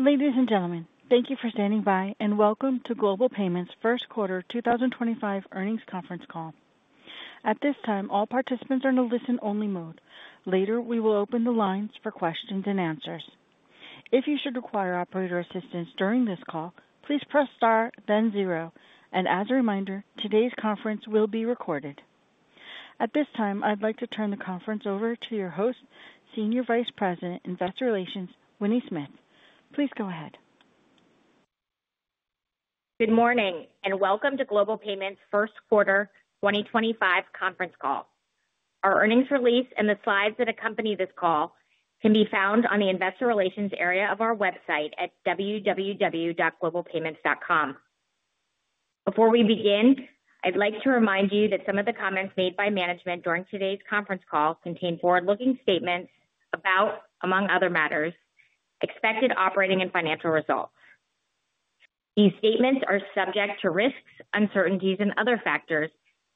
Ladies and gentlemen, thank you for standing by and welcome to Global Payments' first quarter 2025 earnings conference call. At this time, all participants are in a listen-only mode. Later, we will open the lines for question-and-answer. If you should require operator assistance during this call, please press star, then zero. As a reminder, today's conference will be recorded. At this time, I'd like to turn the conference over to your host, Senior Vice President, Investor Relations, Winnie Smith. Please go ahead. Good morning and welcome to Global Payments' first quarter 2025 conference call. Our earnings release and the slides that accompany this call can be found on the Investor Relations area of our website at www.globalpayments.com. Before we begin, I'd like to remind you that some of the comments made by management during today's conference call contain forward-looking statements about, among other matters, expected operating and financial results. These statements are subject to risks, uncertainties, and other factors,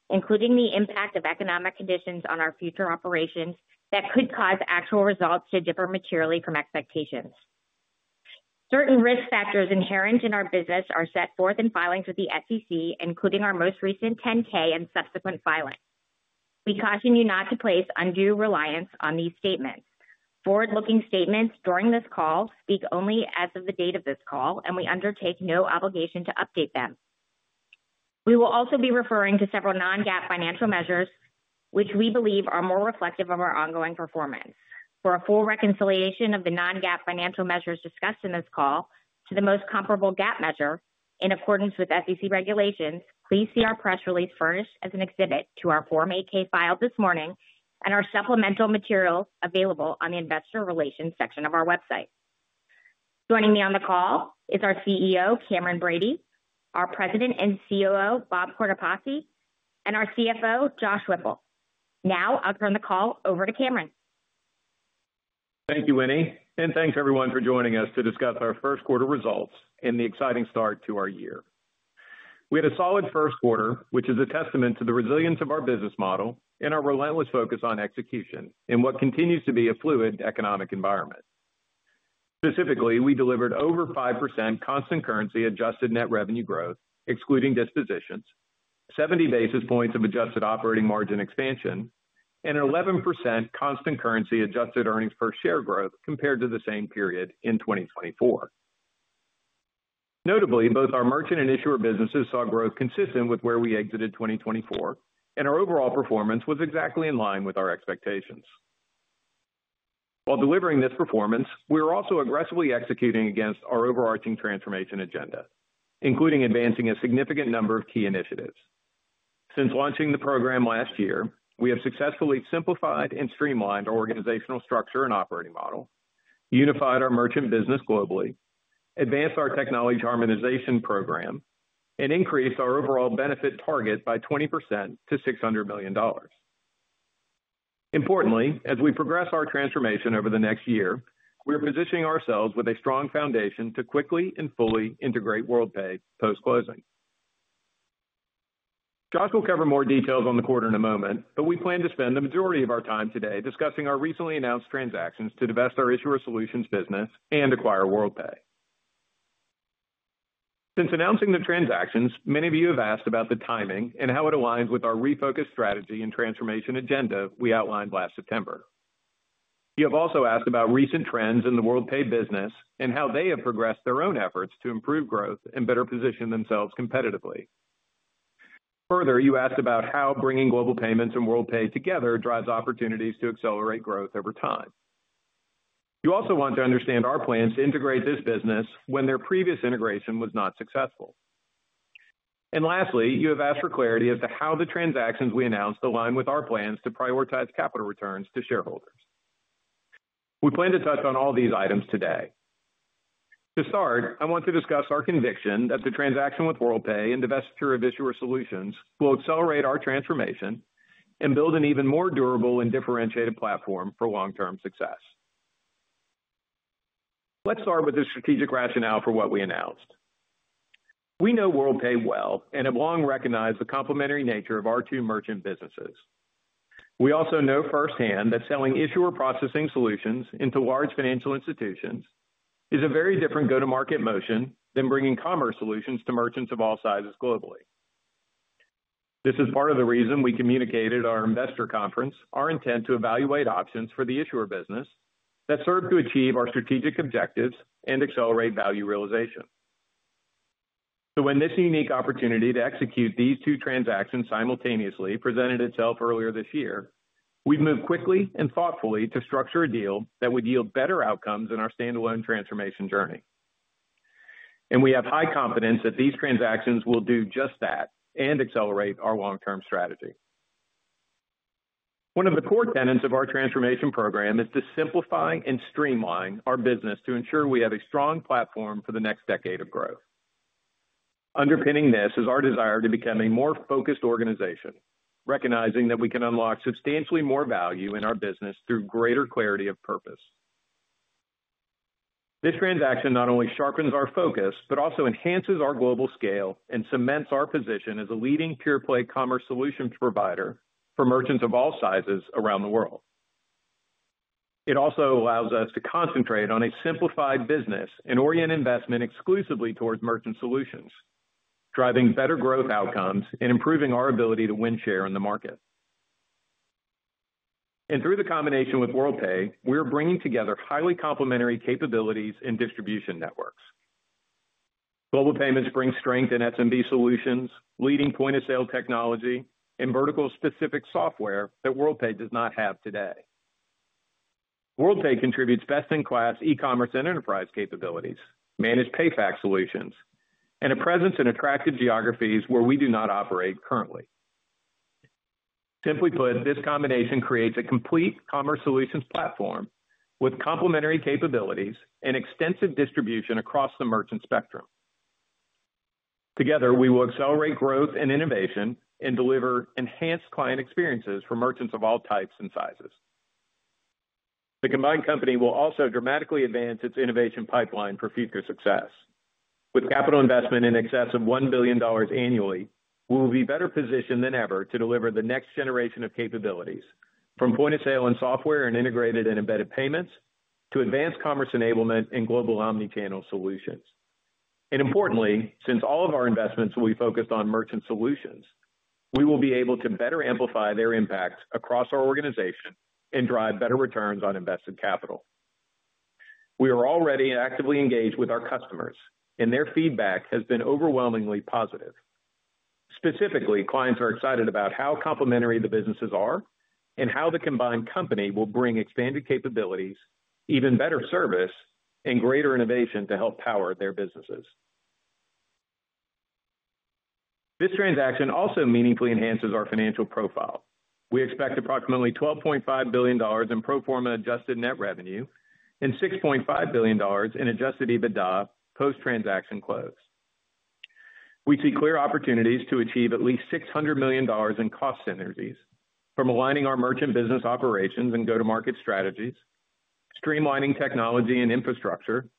including the impact of economic conditions on our future operations that could cause actual results to differ materially from expectations. Certain risk factors inherent in our business are set forth in filings with the SEC, including our most recent 10-K and subsequent filings. We caution you not to place undue reliance on these statements. Forward-looking statements during this call speak only as of the date of this call, and we undertake no obligation to update them. We will also be referring to several non-GAAP financial measures, which we believe are more reflective of our ongoing performance. For a full reconciliation of the non-GAAP financial measures discussed in this call to the most comparable GAAP measure in accordance with SEC regulations, please see our press release first as an exhibit to our Form 8-K filed this morning and our supplemental materials available on the Investor Relations section of our website. Joining me on the call is our CEO, Cameron Bready, our President and COO, Bob Cortopassi, and our CFO, Josh Whipple. Now I'll turn the call over to Cameron. Thank you, Winnie, and thanks everyone for joining us to discuss our first quarter results and the exciting start to our year. We had a solid first quarter, which is a testament to the resilience of our business model and our relentless focus on execution in what continues to be a fluid economic environment. Specifically, we delivered over 5% constant currency adjusted net revenue growth, excluding dispositions, 70 basis points of adjusted operating margin expansion, and 11% constant currency adjusted earnings per share growth compared to the same period in 2024. Notably, both our merchant and issuer businesses saw growth consistent with where we exited 2024, and our overall performance was exactly in line with our expectations. While delivering this performance, we were also aggressively executing against our overarching transformation agenda, including advancing a significant number of key initiatives. Since launching the program last year, we have successfully simplified and streamlined our organizational structure and operating model, unified our merchant business globally, advanced our technology harmonization program, and increased our overall benefit target by 20% to $600 million. Importantly, as we progress our transformation over the next year, we are positioning ourselves with a strong foundation to quickly and fully integrate Worldpay post-closing. Josh will cover more details on the quarter in a moment, but we plan to spend the majority of our time today discussing our recently announced transactions to divest our issuer solutions business and acquire Worldpay. Since announcing the transactions, many of you have asked about the timing and how it aligns with our refocused strategy and transformation agenda we outlined last September. You have also asked about recent trends in the Worldpay business and how they have progressed their own efforts to improve growth and better position themselves competitively. Further, you asked about how bringing Global Payments and Worldpay together drives opportunities to accelerate growth over time. You also want to understand our plans to integrate this business when their previous integration was not successful. Lastly, you have asked for clarity as to how the transactions we announced align with our plans to prioritize capital returns to shareholders. We plan to touch on all these items today. To start, I want to discuss our conviction that the transaction with Worldpay and divestiture of issuer solutions will accelerate our transformation and build an even more durable and differentiated platform for long-term success. Let's start with the strategic rationale for what we announced. We know Worldpay well and have long recognized the complementary nature of our two merchant businesses. We also know firsthand that selling issuer processing solutions into large financial institutions is a very different go-to-market motion than bringing commerce solutions to merchants of all sizes globally. This is part of the reason we communicated at our Investor Conference our intent to evaluate options for the issuer business that serve to achieve our strategic objectives and accelerate value realization. When this unique opportunity to execute these two transactions simultaneously presented itself earlier this year, we've moved quickly and thoughtfully to structure a deal that would yield better outcomes in our standalone transformation journey. We have high confidence that these transactions will do just that and accelerate our long-term strategy. One of the core tenets of our transformation program is to simplify and streamline our business to ensure we have a strong platform for the next decade of growth. Underpinning this is our desire to become a more focused organization, recognizing that we can unlock substantially more value in our business through greater clarity of purpose. This transaction not only sharpens our focus, but also enhances our global scale and cements our position as a leading pure-play commerce solutions provider for merchants of all sizes around the world. It also allows us to concentrate on a simplified business and orient investment exclusively towards merchant solutions, driving better growth outcomes and improving our ability to win share in the market. Through the combination with Worldpay, we are bringing together highly complementary capabilities and distribution networks. Global Payments brings strength in SMB solutions, leading point-of-sale technology, and vertical-specific software that Worldpay does not have today. Worldpay contributes best-in-class e-commerce and enterprise capabilities, managed PayFac solutions, and a presence in attractive geographies where we do not operate currently. Simply put, this combination creates a complete commerce solutions platform with complementary capabilities and extensive distribution across the merchant spectrum. Together, we will accelerate growth and innovation and deliver enhanced client experiences for merchants of all types and sizes. The combined company will also dramatically advance its innovation pipeline for future success. With capital investment in excess of $1 billion annually, we will be better positioned than ever to deliver the next generation of capabilities, from point-of-sale and software and integrated and embedded payments to advanced commerce enablement and global omnichannel solutions. Importantly, since all of our investments will be focused on merchant solutions, we will be able to better amplify their impact across our organization and drive better returns on invested capital. We are already actively engaged with our customers, and their feedback has been overwhelmingly positive. Specifically, clients are excited about how complementary the businesses are and how the combined company will bring expanded capabilities, even better service, and greater innovation to help power their businesses. This transaction also meaningfully enhances our financial profile. We expect approximately $12.5 billion in pro forma adjusted net revenue and $6.5 billion in adjusted EBITDA post-transaction close. We see clear opportunities to achieve at least $600 million in cost synergies from aligning our merchant business operations and go-to-market strategies, streamlining technology and infrastructure,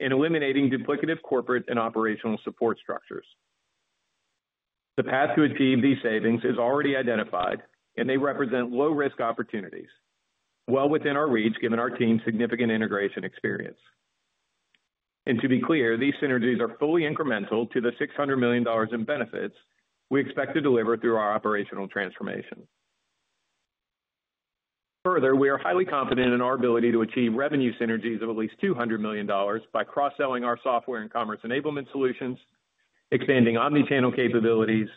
and eliminating duplicative corporate and operational support structures. The path to achieve these savings is already identified, and they represent low-risk opportunities, well within our reach given our team's significant integration experience. To be clear, these synergies are fully incremental to the $600 million in benefits we expect to deliver through our operational transformation. Further, we are highly confident in our ability to achieve revenue synergies of at least $200 million by cross-selling our software and commerce enablement solutions, expanding omnichannel capabilities,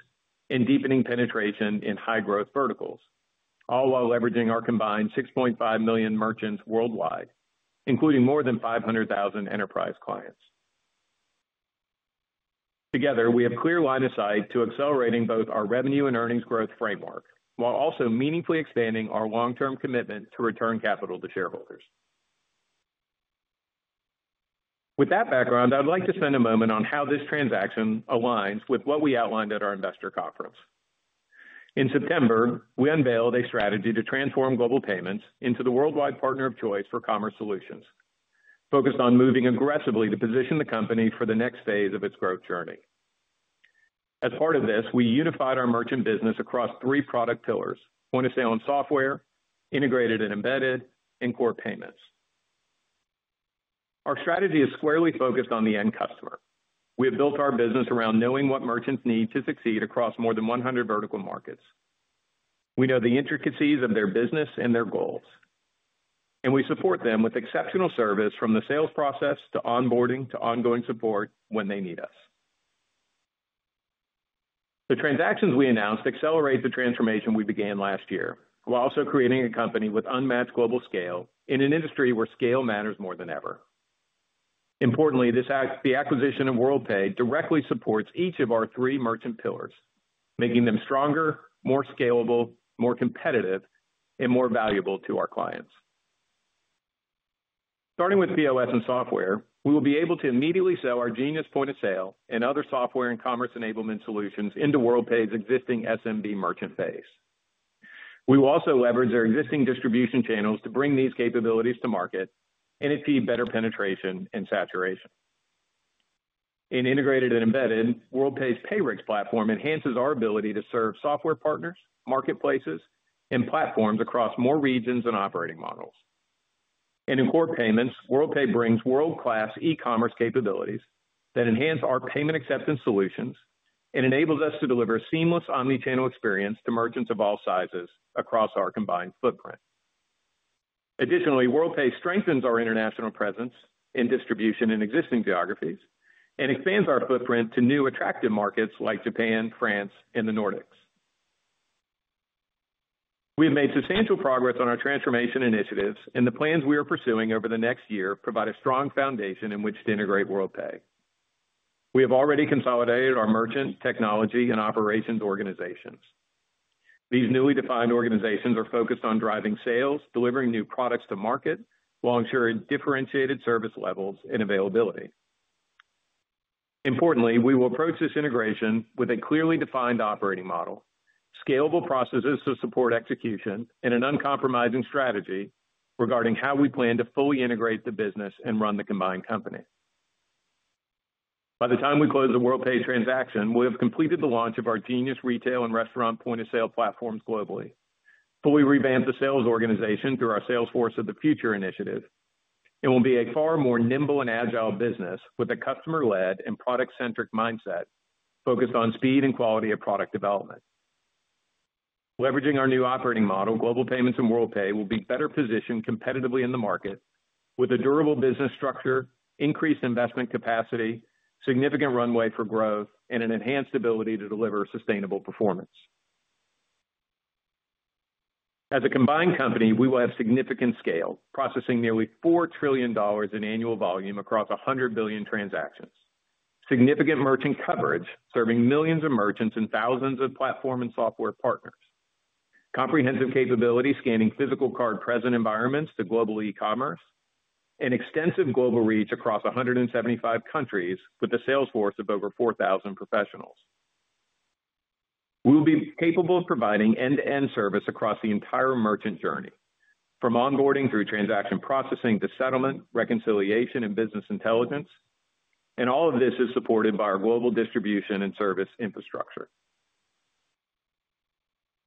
and deepening penetration in high-growth verticals, all while leveraging our combined 6.5 million merchants worldwide, including more than 500,000 enterprise clients. Together, we have a clear line of sight to accelerating both our revenue and earnings growth framework while also meaningfully expanding our long-term commitment to return capital to shareholders. With that background, I'd like to spend a moment on how this transaction aligns with what we outlined at our Investor Conference. In September, we unveiled a strategy to transform Global Payments into the worldwide partner of choice for commerce solutions, focused on moving aggressively to position the company for the next phase of its growth journey. As part of this, we unified our merchant business across three product pillars: point-of-sale and software, integrated and embedded, and core payments. Our strategy is squarely focused on the end customer. We have built our business around knowing what merchants need to succeed across more than 100 vertical markets. We know the intricacies of their business and their goals, and we support them with exceptional service from the sales process to onboarding to ongoing support when they need us. The transactions we announced accelerate the transformation we began last year while also creating a company with unmatched global scale in an industry where scale matters more than ever. Importantly, the acquisition of Worldpay directly supports each of our three merchant pillars, making them stronger, more scalable, more competitive, and more valuable to our clients. Starting with POS and software, we will be able to immediately sell our Genius point-of-sale and other software and commerce enablement solutions into Worldpay's existing SMB merchant base. We will also leverage our existing distribution channels to bring these capabilities to market and achieve better penetration and saturation. In integrated and embedded, Worldpay's Payrix platform enhances our ability to serve software partners, marketplaces, and platforms across more regions and operating models. In core payments, Worldpay brings world-class e-commerce capabilities that enhance our payment acceptance solutions and enables us to deliver a seamless omnichannel experience to merchants of all sizes across our combined footprint. Additionally, Worldpay strengthens our international presence in distribution in existing geographies and expands our footprint to new attractive markets like Japan, France, and the Nordics. We have made substantial progress on our transformation initiatives, and the plans we are pursuing over the next year provide a strong foundation in which to integrate Worldpay. We have already consolidated our merchant, technology, and operations organizations. These newly defined organizations are focused on driving sales, delivering new products to market, while ensuring differentiated service levels and availability. Importantly, we will approach this integration with a clearly defined operating model, scalable processes to support execution, and an uncompromising strategy regarding how we plan to fully integrate the business and run the combined company. By the time we close the Worldpay transaction, we have completed the launch of our Genius retail and restaurant point-of-sale platforms globally, fully revamped the sales organization through our Salesforce of the Future initiative, and will be a far more nimble and agile business with a customer-led and product-centric mindset focused on speed and quality of product development. Leveraging our new operating model, Global Payments and Worldpay will be better positioned competitively in the market with a durable business structure, increased investment capacity, significant runway for growth, and an enhanced ability to deliver sustainable performance. As a combined company, we will have significant scale, processing nearly $4 trillion in annual volume across 100 billion transactions, significant merchant coverage serving millions of merchants and thousands of platform and software partners, comprehensive capability spanning physical card present environments to global e-commerce, and extensive global reach across 175 countries with a Salesforce of over 4,000 professionals. We will be capable of providing end-to-end service across the entire merchant journey, from onboarding through transaction processing to settlement, reconciliation, and business intelligence, and all of this is supported by our global distribution and service infrastructure.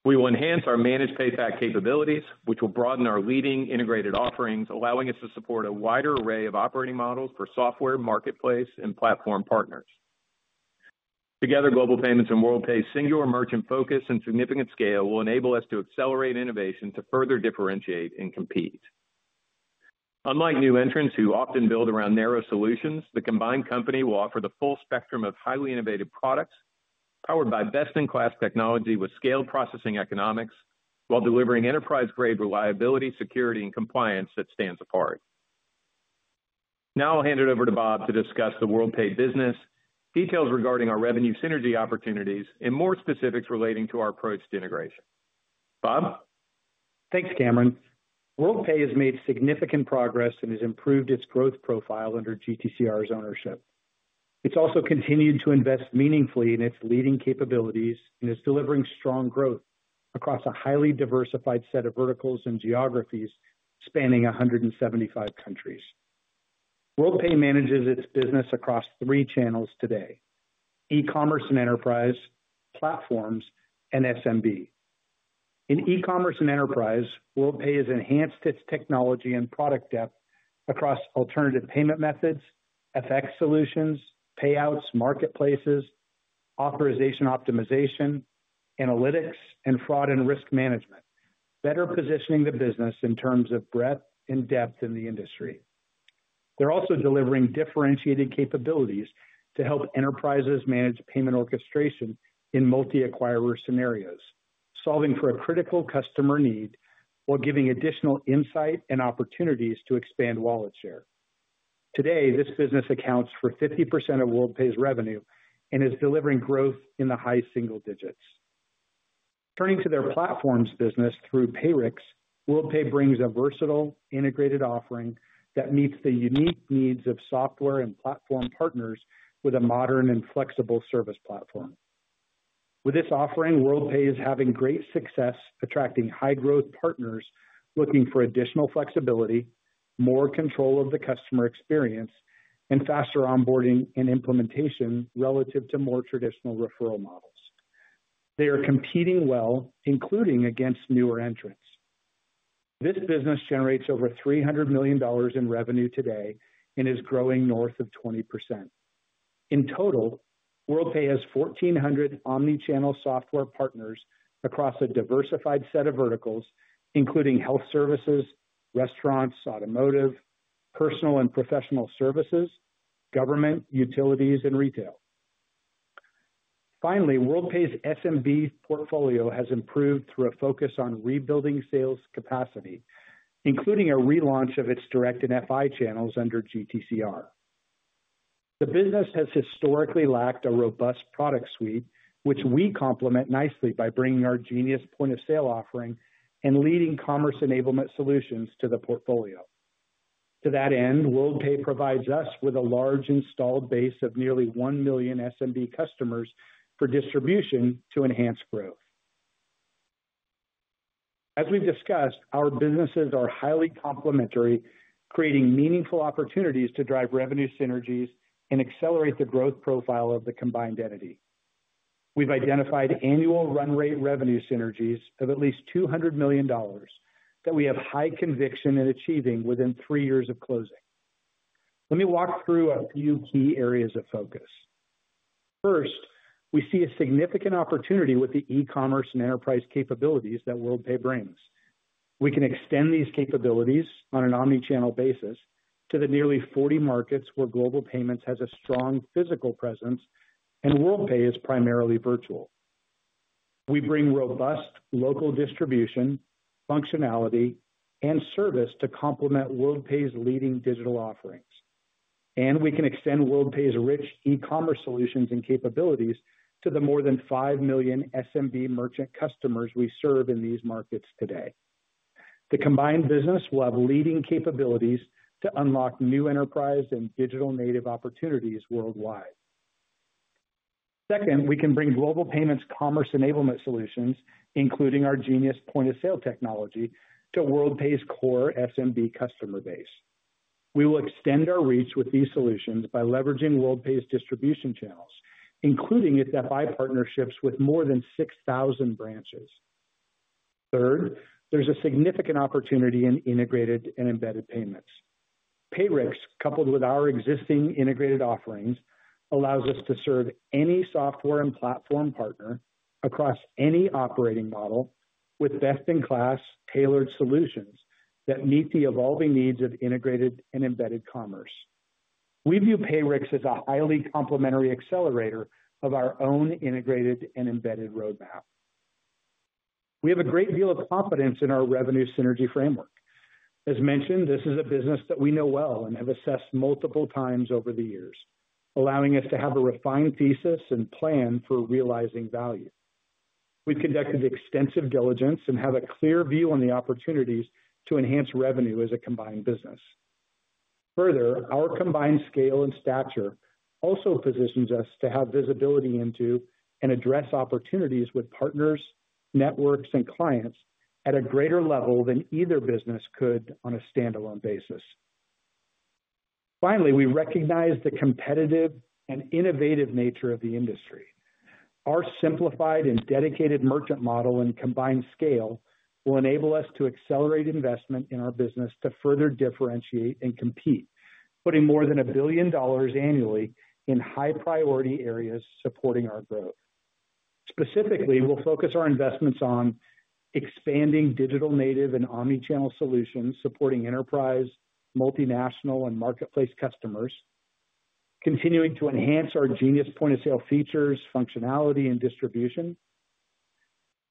We will enhance our managed PayFac capabilities, which will broaden our leading integrated offerings, allowing us to support a wider array of operating models for software, marketplace, and platform partners. Together, Global Payments and Worldpay's singular merchant focus and significant scale will enable us to accelerate innovation to further differentiate and compete. Unlike new entrants who often build around narrow solutions, the combined company will offer the full spectrum of highly innovative products powered by best-in-class technology with scaled processing economics while delivering enterprise-grade reliability, security, and compliance that stands apart. Now I'll hand it over to Bob to discuss the Worldpay business, details regarding our revenue synergy opportunities, and more specifics relating to our approach to integration. Bob? Thanks, Cameron. Worldpay has made significant progress and has improved its growth profile under GTCR's ownership. It's also continued to invest meaningfully in its leading capabilities and is delivering strong growth across a highly diversified set of verticals and geographies spanning 175 countries. Worldpay manages its business across three channels today: e-commerce and enterprise, platforms, and SMB. In e-commerce and enterprise, Worldpay has enhanced its technology and product depth across alternative payment methods, FX solutions, payouts, marketplaces, authorization optimization, analytics, and fraud and risk management, better positioning the business in terms of breadth and depth in the industry. They're also delivering differentiated capabilities to help enterprises manage payment orchestration in multi-acquirer scenarios, solving for a critical customer need while giving additional insight and opportunities to expand wallet share. Today, this business accounts for 50% of Worldpay's revenue and is delivering growth in the high single digits. Turning to their platforms business through Payrix, Worldpay brings a versatile, integrated offering that meets the unique needs of software and platform partners with a modern and flexible service platform. With this offering, Worldpay is having great success attracting high-growth partners looking for additional flexibility, more control of the customer experience, and faster onboarding and implementation relative to more traditional referral models. They are competing well, including against newer entrants. This business generates over $300 million in revenue today and is growing north of 20%. In total, Worldpay has 1,400 omnichannel software partners across a diversified set of verticals, including health services, restaurants, automotive, personal and professional services, government, utilities, and retail. Finally, Worldpay's SMB portfolio has improved through a focus on rebuilding sales capacity, including a relaunch of its direct and FI channels under GTCR. The business has historically lacked a robust product suite, which we complement nicely by bringing our Genius point-of-sale offering and leading commerce enablement solutions to the portfolio. To that end, Worldpay provides us with a large installed base of nearly 1 million SMB customers for distribution to enhance growth. As we've discussed, our businesses are highly complementary, creating meaningful opportunities to drive revenue synergies and accelerate the growth profile of the combined entity. We've identified annual run-rate revenue synergies of at least $200 million that we have high conviction in achieving within three years of closing. Let me walk through a few key areas of focus. First, we see a significant opportunity with the e-commerce and enterprise capabilities that Worldpay brings. We can extend these capabilities on an omnichannel basis to the nearly 40 markets where Global Payments has a strong physical presence and Worldpay is primarily virtual. We bring robust local distribution, functionality, and service to complement Worldpay's leading digital offerings. We can extend Worldpay's rich e-commerce solutions and capabilities to the more than 5 million SMB merchant customers we serve in these markets today. The combined business will have leading capabilities to unlock new enterprise and digital-native opportunities worldwide. Second, we can bring Global Payments' commerce enablement solutions, including our Genius point-of-sale technology, to Worldpay's core SMB customer base. We will extend our reach with these solutions by leveraging Worldpay's distribution channels, including its FI partnerships with more than 6,000 branches. Third, there is a significant opportunity in integrated and embedded payments. Payrix, coupled with our existing integrated offerings, allows us to serve any software and platform partner across any operating model with best-in-class tailored solutions that meet the evolving needs of integrated and embedded commerce. We view Payrix as a highly complementary accelerator of our own integrated and embedded roadmap. We have a great deal of confidence in our revenue synergy framework. As mentioned, this is a business that we know well and have assessed multiple times over the years, allowing us to have a refined thesis and plan for realizing value. We've conducted extensive diligence and have a clear view on the opportunities to enhance revenue as a combined business. Further, our combined scale and stature also positions us to have visibility into and address opportunities with partners, networks, and clients at a greater level than either business could on a standalone basis. Finally, we recognize the competitive and innovative nature of the industry. Our simplified and dedicated merchant model and combined scale will enable us to accelerate investment in our business to further differentiate and compete, putting more than $1 billion annually in high-priority areas supporting our growth. Specifically, we'll focus our investments on expanding digital-native and omnichannel solutions supporting enterprise, multinational, and marketplace customers, continuing to enhance our Genius point-of-sale features, functionality, and distribution,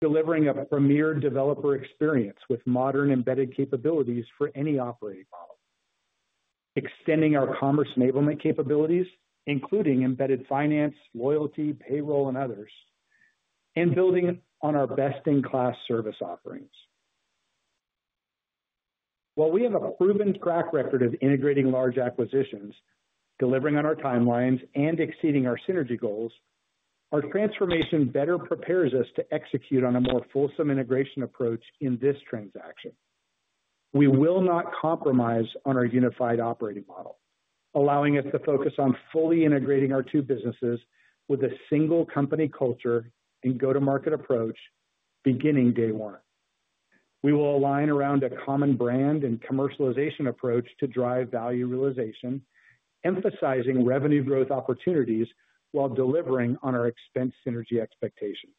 delivering a premier developer experience with modern embedded capabilities for any operating model, extending our commerce enablement capabilities, including embedded finance, loyalty, payroll, and others, and building on our best-in-class service offerings. While we have a proven track record of integrating large acquisitions, delivering on our timelines, and exceeding our synergy goals, our transformation better prepares us to execute on a more fulsome integration approach in this transaction. We will not compromise on our unified operating model, allowing us to focus on fully integrating our two businesses with a single company culture and go-to-market approach beginning day one. We will align around a common brand and commercialization approach to drive value realization, emphasizing revenue growth opportunities while delivering on our expense synergy expectations.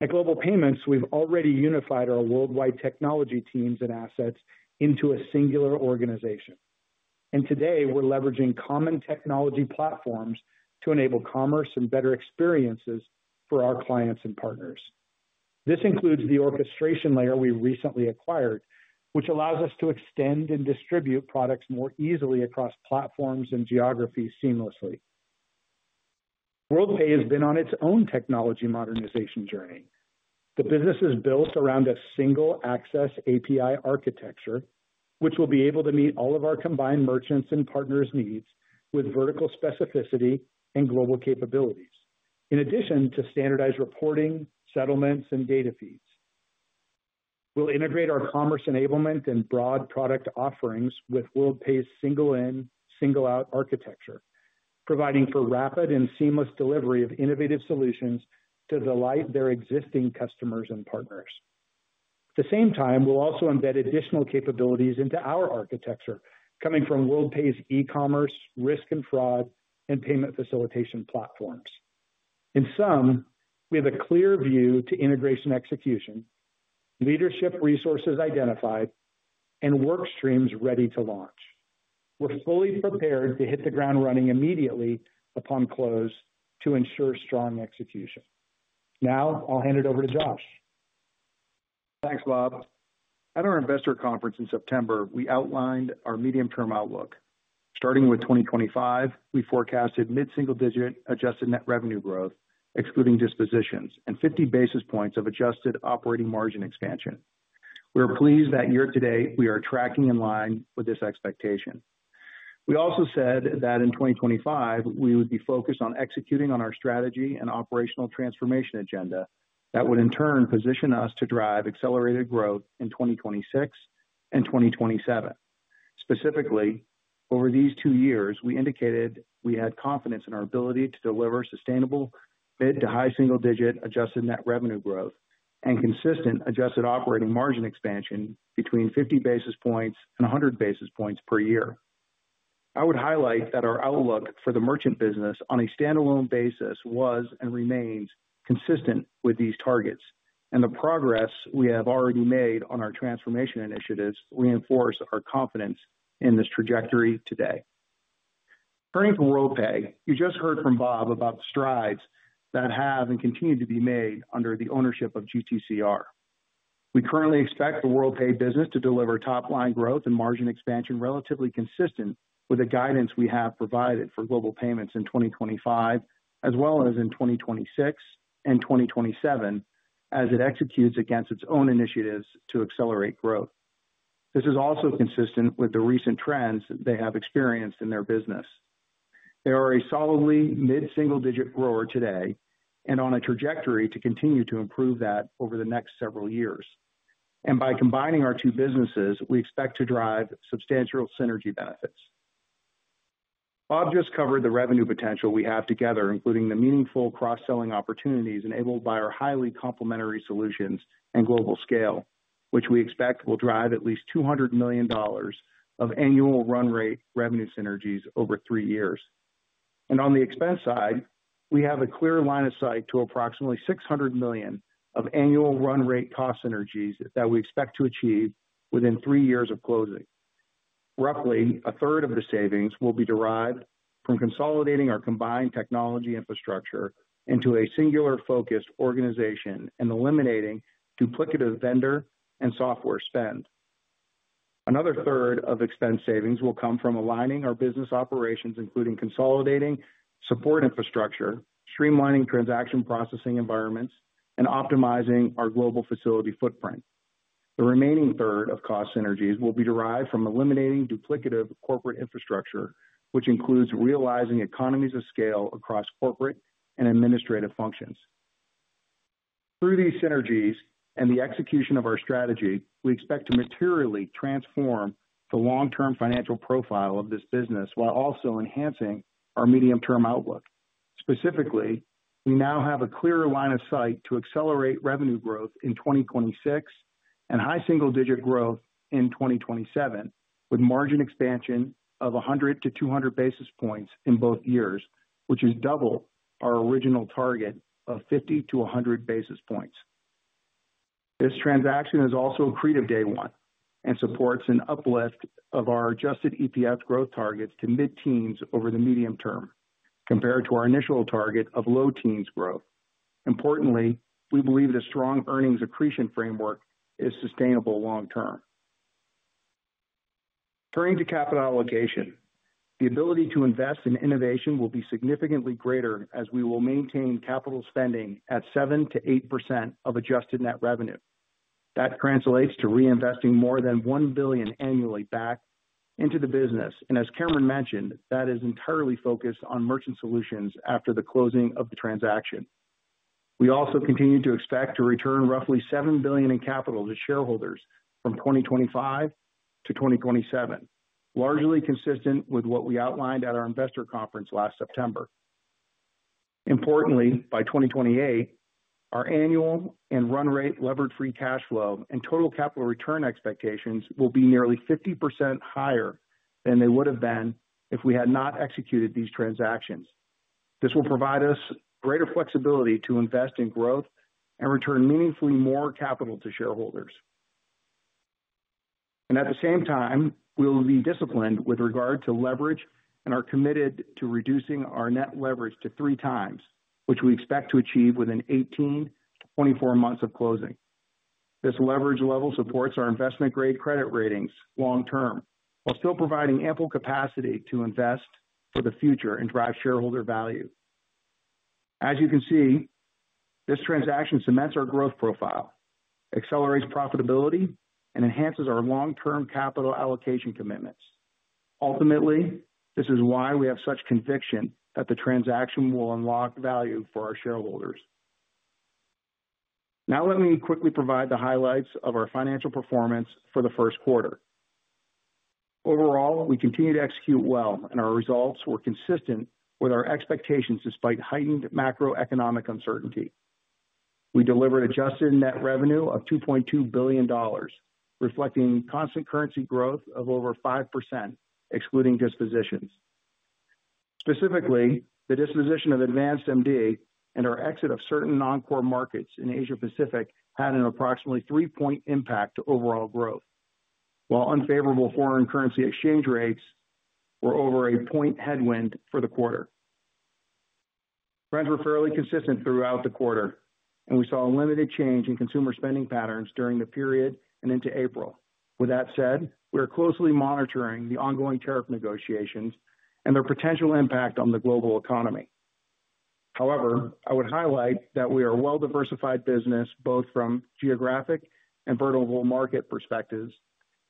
At Global Payments, we've already unified our worldwide technology teams and assets into a singular organization. We are leveraging common technology platforms to enable commerce and better experiences for our clients and partners. This includes the orchestration layer we recently acquired, which allows us to extend and distribute products more easily across platforms and geographies seamlessly. Worldpay has been on its own technology modernization journey. The business is built around a single access API architecture, which will be able to meet all of our combined merchants and partners' needs with vertical specificity and global capabilities, in addition to standardized reporting, settlements, and data feeds. We will integrate our commerce enablement and broad product offerings with Worldpay's single-in, single-out architecture, providing for rapid and seamless delivery of innovative solutions to delight their existing customers and partners. At the same time, we'll also embed additional capabilities into our architecture, coming from Worldpay's e-commerce, risk and fraud, and payment facilitation platforms. In sum, we have a clear view to integration execution, leadership resources identified, and work streams ready to launch. We're fully prepared to hit the ground running immediately upon close to ensure strong execution. Now I'll hand it over to Josh. Thanks, Bob. At our Investor Conference in September, we outlined our medium-term outlook. Starting with 2025, we forecasted mid-single-digit adjusted net revenue growth, excluding dispositions, and 50 basis points of adjusted operating margin expansion. We are pleased that year to date, we are tracking in line with this expectation. We also said that in 2025, we would be focused on executing on our strategy and operational transformation agenda that would, in turn, position us to drive accelerated growth in 2026 and 2027. Specifically, over these two years, we indicated we had confidence in our ability to deliver sustainable mid-to-high single-digit adjusted net revenue growth and consistent adjusted operating margin expansion between 50 basis points and 100 basis points per year. I would highlight that our outlook for the merchant business on a standalone basis was and remains consistent with these targets, and the progress we have already made on our transformation initiatives reinforces our confidence in this trajectory today. Turning to Worldpay, you just heard from Bob about the strides that have and continue to be made under the ownership of GTCR. We currently expect the Worldpay business to deliver top-line growth and margin expansion relatively consistent with the guidance we have provided for Global Payments in 2025, as well as in 2026 and 2027, as it executes against its own initiatives to accelerate growth. This is also consistent with the recent trends they have experienced in their business. They are a solidly mid-single-digit grower today and on a trajectory to continue to improve that over the next several years. By combining our two businesses, we expect to drive substantial synergy benefits. Bob just covered the revenue potential we have together, including the meaningful cross-selling opportunities enabled by our highly complementary solutions and global scale, which we expect will drive at least $200 million of annual run-rate revenue synergies over three years. On the expense side, we have a clear line of sight to approximately $600 million of annual run-rate cost synergies that we expect to achieve within three years of closing. Roughly 1/3 of the savings will be derived from consolidating our combined technology infrastructure into a singular-focused organization and eliminating duplicative vendor and software spend. Another third of expense savings will come from aligning our business operations, including consolidating support infrastructure, streamlining transaction processing environments, and optimizing our global facility footprint. The remaining third of cost synergies will be derived from eliminating duplicative corporate infrastructure, which includes realizing economies of scale across corporate and administrative functions. Through these synergies and the execution of our strategy, we expect to materially transform the long-term financial profile of this business while also enhancing our medium-term outlook. Specifically, we now have a clear line of sight to accelerate revenue growth in 2026 and high single-digit growth in 2027, with margin expansion of 100-200 basis points in both years, which is double our original target of 50-100 basis points. This transaction is also accretive day one and supports an uplift of our adjusted EPS growth targets to mid-teens over the medium term, compared to our initial target of low-teens growth. Importantly, we believe the strong earnings accretion framework is sustainable long-term. Turning to capital allocation, the ability to invest in innovation will be significantly greater as we will maintain capital spending at 7%-8% of adjusted net revenue. That translates to reinvesting more than $1 billion annually back into the business. As Cameron mentioned, that is entirely focused on merchant solutions after the closing of the transaction. We also continue to expect to return roughly $7 billion in capital to shareholders from 2025 to 2027, largely consistent with what we outlined at our Investor Conference last September. Importantly, by 2028, our annual and run-rate levered-free cash flow and total capital return expectations will be nearly 50% higher than they would have been if we had not executed these transactions. This will provide us greater flexibility to invest in growth and return meaningfully more capital to shareholders. At the same time, we will be disciplined with regard to leverage and are committed to reducing our net leverage to three times, which we expect to achieve within 18-24 months of closing. This leverage level supports our investment-grade credit ratings long-term while still providing ample capacity to invest for the future and drive shareholder value. As you can see, this transaction cements our growth profile, accelerates profitability, and enhances our long-term capital allocation commitments. Ultimately, this is why we have such conviction that the transaction will unlock value for our shareholders. Now let me quickly provide the highlights of our financial performance for the first quarter. Overall, we continued to execute well, and our results were consistent with our expectations despite heightened macroeconomic uncertainty. We delivered adjusted net revenue of $2.2 billion, reflecting constant currency growth of over 5%, excluding dispositions. Specifically, the disposition of AdvancedMD and our exit of certain non-core markets in Asia-Pacific had an approximately three-point impact to overall growth, while unfavorable foreign currency exchange rates were over a point headwind for the quarter. Trends were fairly consistent throughout the quarter, and we saw a limited change in consumer spending patterns during the period and into April. With that said, we are closely monitoring the ongoing tariff negotiations and their potential impact on the global economy. However, I would highlight that we are a well-diversified business, both from geographic and vertical market perspectives,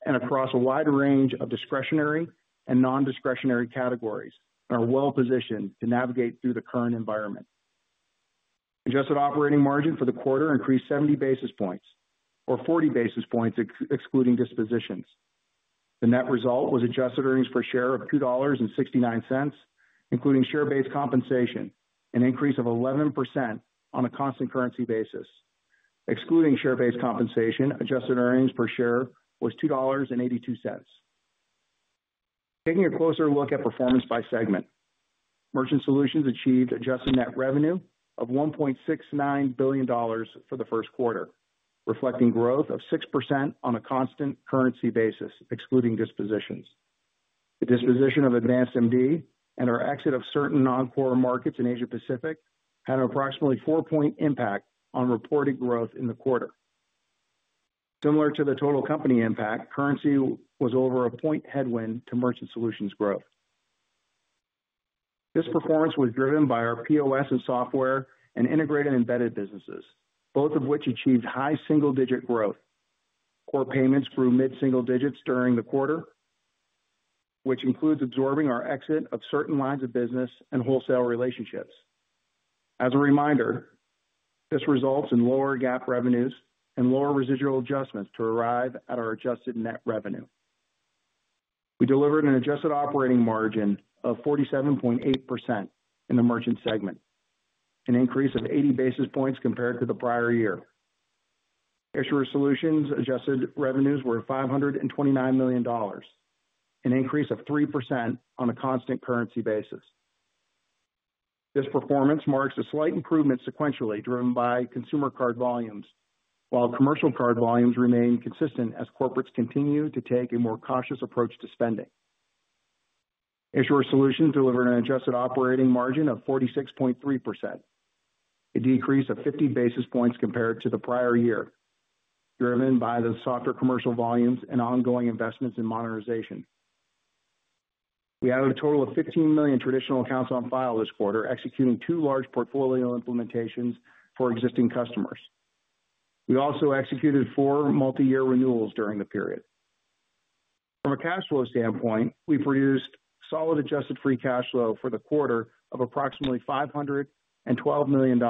and across a wide range of discretionary and non-discretionary categories, and are well-positioned to navigate through the current environment. Adjusted operating margin for the quarter increased 70 basis points or 40 basis points, excluding dispositions. The net result was adjusted earnings per share of $2.69, including share-based compensation, an increase of 11% on a constant currency basis. Excluding share-based compensation, adjusted earnings per share was $2.82. Taking a closer look at performance by segment, merchant solutions achieved adjusted net revenue of $1.69 billion for the first quarter, reflecting growth of 6% on a constant currency basis, excluding dispositions. The disposition of AdvancedMD and our exit of certain non-core markets in Asia-Pacific had an approximately four-point impact on reported growth in the quarter. Similar to the total company impact, currency was over a point headwind to merchant solutions growth. This performance was driven by our POS and software and integrated embedded businesses, both of which achieved high single-digit growth. Core payments grew mid-single digits during the quarter, which includes absorbing our exit of certain lines of business and wholesale relationships. As a reminder, this results in lower GAAP revenues and lower residual adjustments to arrive at our adjusted net revenue. We delivered an adjusted operating margin of 47.8% in the merchant segment, an increase of 80 basis points compared to the prior year. Issuer solutions' adjusted revenues were $529 million, an increase of 3% on a constant currency basis. This performance marks a slight improvement sequentially driven by consumer card volumes, while commercial card volumes remain consistent as corporates continue to take a more cautious approach to spending. Issuer solutions delivered an adjusted operating margin of 46.3%, a decrease of 50 basis points compared to the prior year, driven by the softer commercial volumes and ongoing investments in monetization. We added a total of 15 million traditional accounts on file this quarter, executing two large portfolio implementations for existing customers. We also executed four multi-year renewals during the period. From a cash flow standpoint, we produced solid adjusted free cash flow for the quarter of approximately $512 million,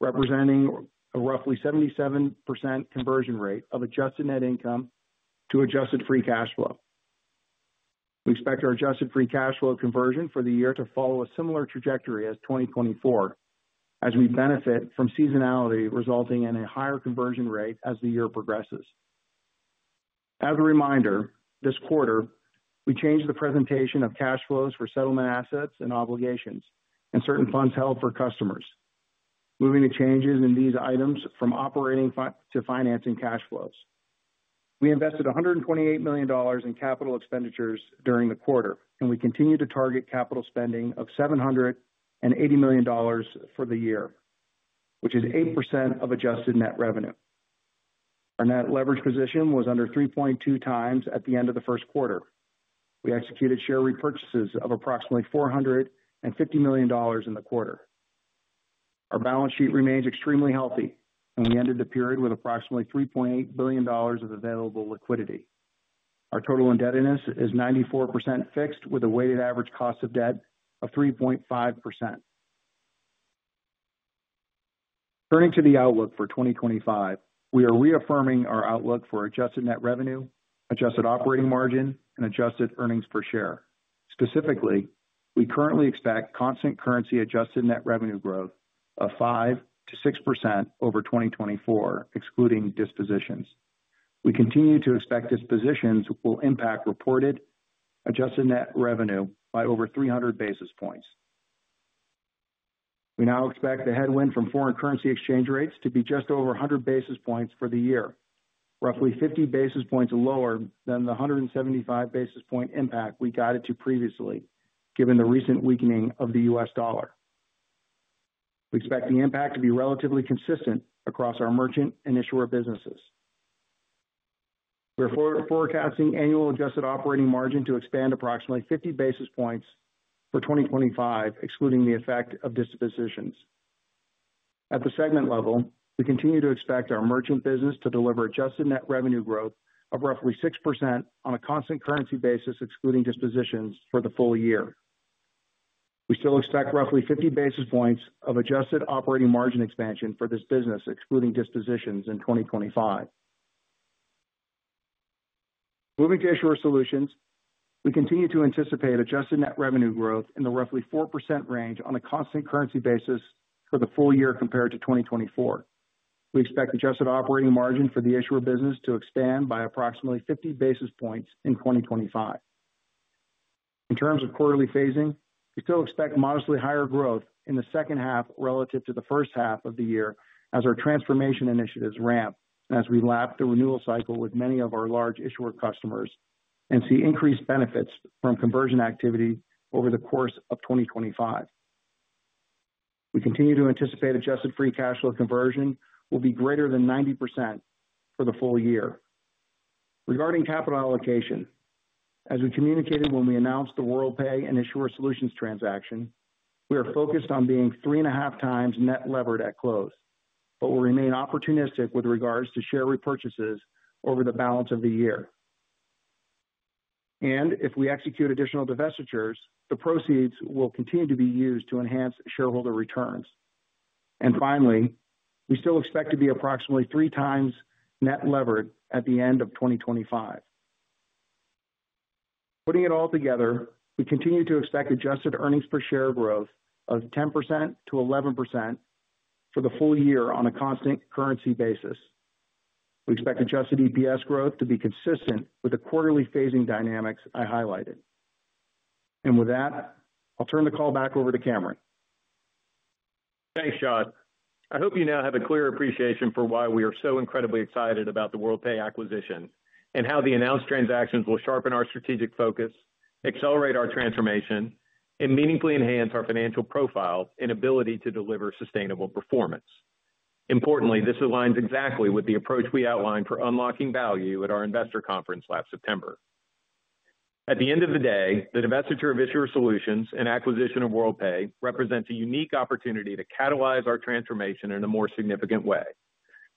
representing a roughly 77% conversion rate of adjusted net income to adjusted free cash flow. We expect our adjusted free cash flow conversion for the year to follow a similar trajectory as 2024, as we benefit from seasonality resulting in a higher conversion rate as the year progresses. As a reminder, this quarter, we changed the presentation of cash flows for settlement assets and obligations and certain funds held for customers, moving the changes in these items from operating to financing cash flows. We invested $128 million in capital expenditures during the quarter, and we continue to target capital spending of $780 million for the year, which is 8% of adjusted net revenue. Our net leverage position was under 3.2 times at the end of the first quarter. We executed share repurchases of approximately $450 million in the quarter. Our balance sheet remains extremely healthy, and we ended the period with approximately $3.8 billion of available liquidity. Our total indebtedness is 94% fixed with a weighted average cost of debt of 3.5%. Turning to the outlook for 2025, we are reaffirming our outlook for adjusted net revenue, adjusted operating margin, and adjusted earnings per share. Specifically, we currently expect constant currency adjusted net revenue growth of 5%-6% over 2024, excluding dispositions. We continue to expect dispositions will impact reported adjusted net revenue by over 300 basis points. We now expect the headwind from foreign currency exchange rates to be just over 100 basis points for the year, roughly 50 basis points lower than the 175 basis point impact we guided to previously, given the recent weakening of the US dollar. We expect the impact to be relatively consistent across our merchant and issuer businesses. We are forecasting annual adjusted operating margin to expand approximately 50 basis points for 2025, excluding the effect of dispositions. At the segment level, we continue to expect our merchant business to deliver adjusted net revenue growth of roughly 6% on a constant currency basis, excluding dispositions for the full year. We still expect roughly 50 basis points of adjusted operating margin expansion for this business, excluding dispositions in 2025. Moving to issuer solutions, we continue to anticipate adjusted net revenue growth in the roughly 4% range on a constant currency basis for the full year compared to 2024. We expect adjusted operating margin for the issuer business to expand by approximately 50 basis points in 2025. In terms of quarterly phasing, we still expect modestly higher growth in the second half relative to the first half of the year as our transformation initiatives ramp and as we lap the renewal cycle with many of our large issuer customers and see increased benefits from conversion activity over the course of 2025. We continue to anticipate adjusted free cash flow conversion will be greater than 90% for the full year. Regarding capital allocation, as we communicated when we announced the Worldpay and Issuer Solutions transaction, we are focused on being 3.5 times net levered at close, but we will remain opportunistic with regards to share repurchases over the balance of the year. If we execute additional divestitures, the proceeds will continue to be used to enhance shareholder returns. Finally, we still expect to be approximately three times net levered at the end of 2025. Putting it all together, we continue to expect adjusted earnings per share growth of 10%-11% for the full year on a constant currency basis. We expect adjusted EPS growth to be consistent with the quarterly phasing dynamics I highlighted. With that, I'll turn the call back over to Cameron. Thanks, Josh. I hope you now have a clear appreciation for why we are so incredibly excited about the Worldpay acquisition and how the announced transactions will sharpen our strategic focus, accelerate our transformation, and meaningfully enhance our financial profile and ability to deliver sustainable performance. Importantly, this aligns exactly with the approach we outlined for unlocking value at our Investor Conference last September. At the end of the day, the divestiture of Issuer Solutions and acquisition of Worldpay represents a unique opportunity to catalyze our transformation in a more significant way,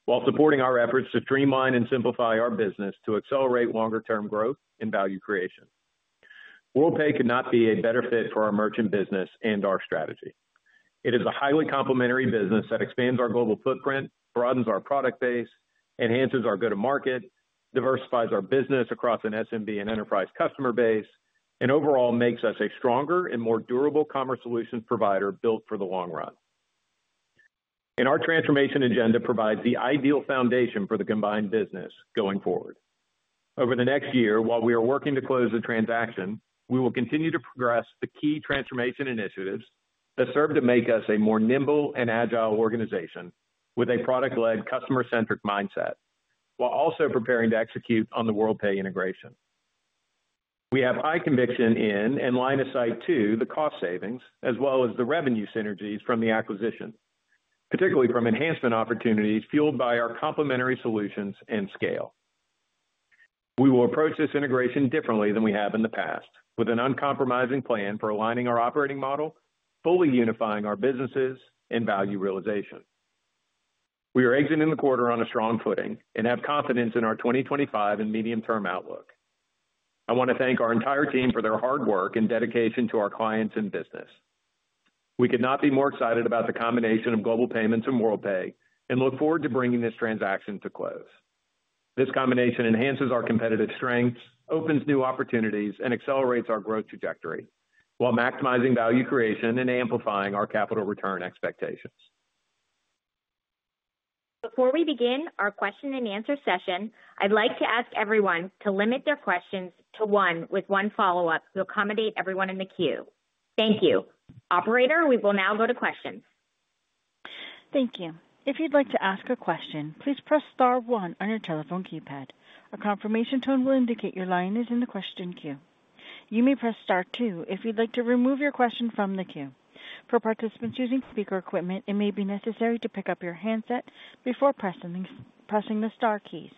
while supporting our efforts to streamline and simplify our business to accelerate longer-term growth and value creation. Worldpay could not be a better fit for our merchant business and our strategy. It is a highly complementary business that expands our global footprint, broadens our product base, enhances our go-to-market, diversifies our business across an SMB and enterprise customer base, and overall makes us a stronger and more durable commerce solutions provider built for the long run. Our transformation agenda provides the ideal foundation for the combined business going forward. Over the next year, while we are working to close the transaction, we will continue to progress the key transformation initiatives that serve to make us a more nimble and agile organization with a product-led, customer-centric mindset, while also preparing to execute on the Worldpay integration. We have high conviction in and line of sight to the cost savings, as well as the revenue synergies from the acquisition, particularly from enhancement opportunities fueled by our complementary solutions and scale. We will approach this integration differently than we have in the past, with an uncompromising plan for aligning our operating model, fully unifying our businesses and value realization. We are exiting the quarter on a strong footing and have confidence in our 2025 and medium-term outlook. I want to thank our entire team for their hard work and dedication to our clients and business. We could not be more excited about the combination of Global Payments and Worldpay and look forward to bringing this transaction to close. This combination enhances our competitive strengths, opens new opportunities, and accelerates our growth trajectory while maximizing value creation and amplifying our capital return expectations. Before we begin our question-and-answer session, I'd like to ask everyone to limit their questions to one with one follow-up to accommodate everyone in the queue. Thank you. Operator, we will now go to questions. Thank you. If you'd like to ask a question, please press star one on your telephone keypad. A confirmation tone will indicate your line is in the question queue. You may press star two if you'd like to remove your question from the queue. For participants using speaker equipment, it may be necessary to pick up your handset before pressing the star keys.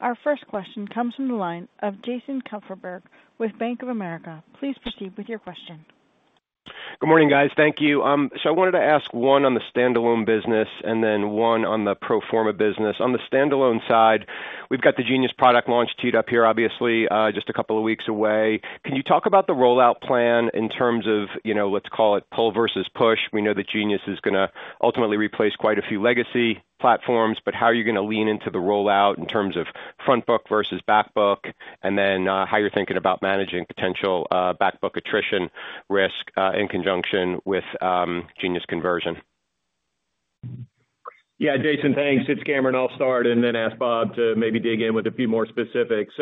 Our first question comes from the line of Jason Kupferberg with Bank of America. Please proceed with your question. Good morning, guys. Thank you. I wanted to ask one on the standalone business and then one on the pro forma business. On the standalone side, we've got the Genius product launched up here, obviously, just a couple of weeks away. Can you talk about the rollout plan in terms of, let's call it pull versus push? We know that Genius is going to ultimately replace quite a few legacy platforms, but how are you going to lean into the rollout in terms of front book versus back book, and then how you're thinking about managing potential back book attrition risk in conjunction with Genius conversion? Yeah, Jason, thanks. It's Cameron. I'll start and then ask Bob to maybe dig in with a few more specifics.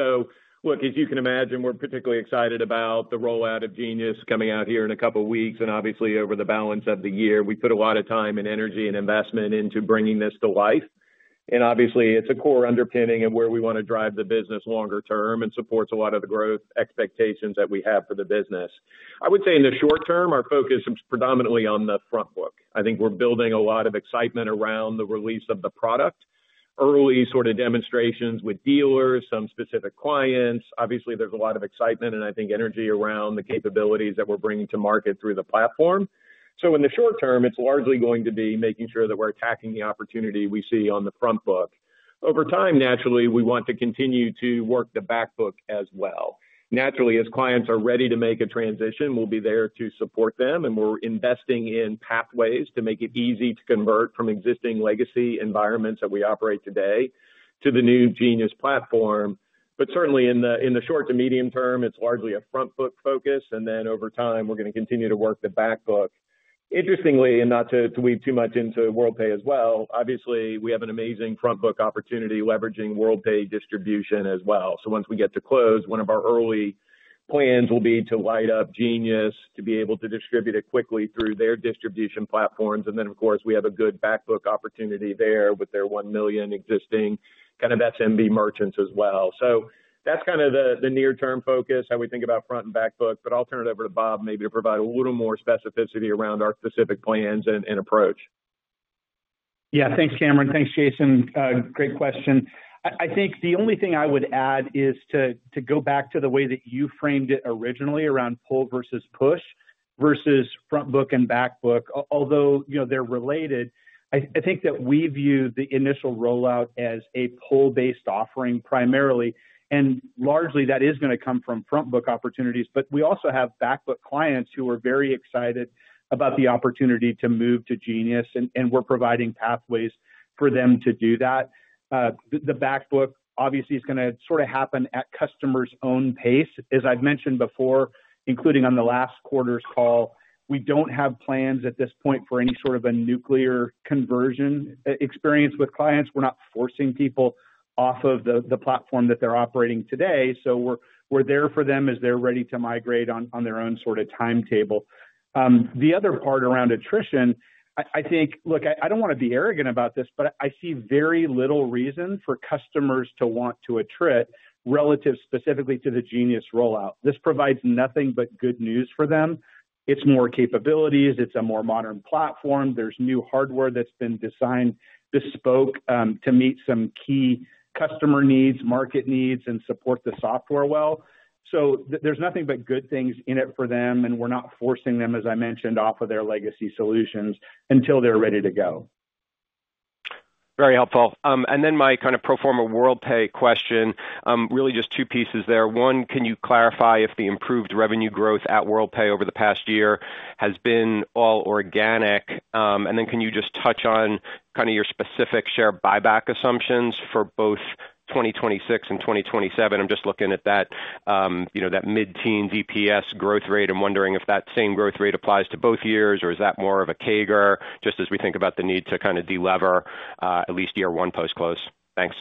Look, as you can imagine, we're particularly excited about the rollout of Genius coming out here in a couple of weeks and obviously over the balance of the year. We put a lot of time and energy and investment into bringing this to life. Obviously, it's a core underpinning of where we want to drive the business longer term and supports a lot of the growth expectations that we have for the business. I would say in the short term, our focus is predominantly on the front book. I think we're building a lot of excitement around the release of the product, early sort of demonstrations with dealers, some specific clients. Obviously, there's a lot of excitement and I think energy around the capabilities that we're bringing to market through the platform. In the short term, it's largely going to be making sure that we're attacking the opportunity we see on the front book. Over time, naturally, we want to continue to work the back book as well. Naturally, as clients are ready to make a transition, we'll be there to support them, and we're investing in pathways to make it easy to convert from existing legacy environments that we operate today to the new Genius platform. Certainly, in the short to medium term, it's largely a front book focus, and over time, we're going to continue to work the back book. Interestingly, and not to weave too much into Worldpay as well, obviously, we have an amazing front book opportunity leveraging Worldpay distribution as well. Once we get to close, one of our early plans will be to light up Genius to be able to distribute it quickly through their distribution platforms. Of course, we have a good back book opportunity there with their 1 million existing kind of SMB merchants as well. That's kind of the near-term focus, how we think about front and back book. I'll turn it over to Bob maybe to provide a little more specificity around our specific plans and approach. Yeah, thanks, Cameron. Thanks, Jason. Great question. I think the only thing I would add is to go back to the way that you framed it originally around pull versus push versus front book and back book. Although they're related, I think that we view the initial rollout as a pull-based offering primarily, and largely that is going to come from front book opportunities. We also have back book clients who are very excited about the opportunity to move to Genius, and we're providing pathways for them to do that. The back book obviously is going to sort of happen at customer's own pace. As I've mentioned before, including on the last quarter's call, we don't have plans at this point for any sort of a nuclear conversion experience with clients. We're not forcing people off of the platform that they're operating today. We're there for them as they're ready to migrate on their own sort of timetable. The other part around attrition, I think, look, I don't want to be arrogant about this, but I see very little reason for customers to want to attrit relative specifically to the Genius rollout. This provides nothing but good news for them. It's more capabilities. It's a more modern platform. There's new hardware that's been designed bespoke to meet some key customer needs, market needs, and support the software well. There's nothing but good things in it for them, and we're not forcing them, as I mentioned, off of their legacy solutions until they're ready to go. Very helpful. My kind of pro forma Worldpay question, really just two pieces there. One, can you clarify if the improved revenue growth at Worldpay over the past year has been all organic? Can you just touch on kind of your specific share buyback assumptions for both 2026 and 2027? I'm just looking at that mid-teen DPS growth rate and wondering if that same growth rate applies to both years, or is that more of a CAGR, just as we think about the need to kind of delever at least year one post-close? Thanks.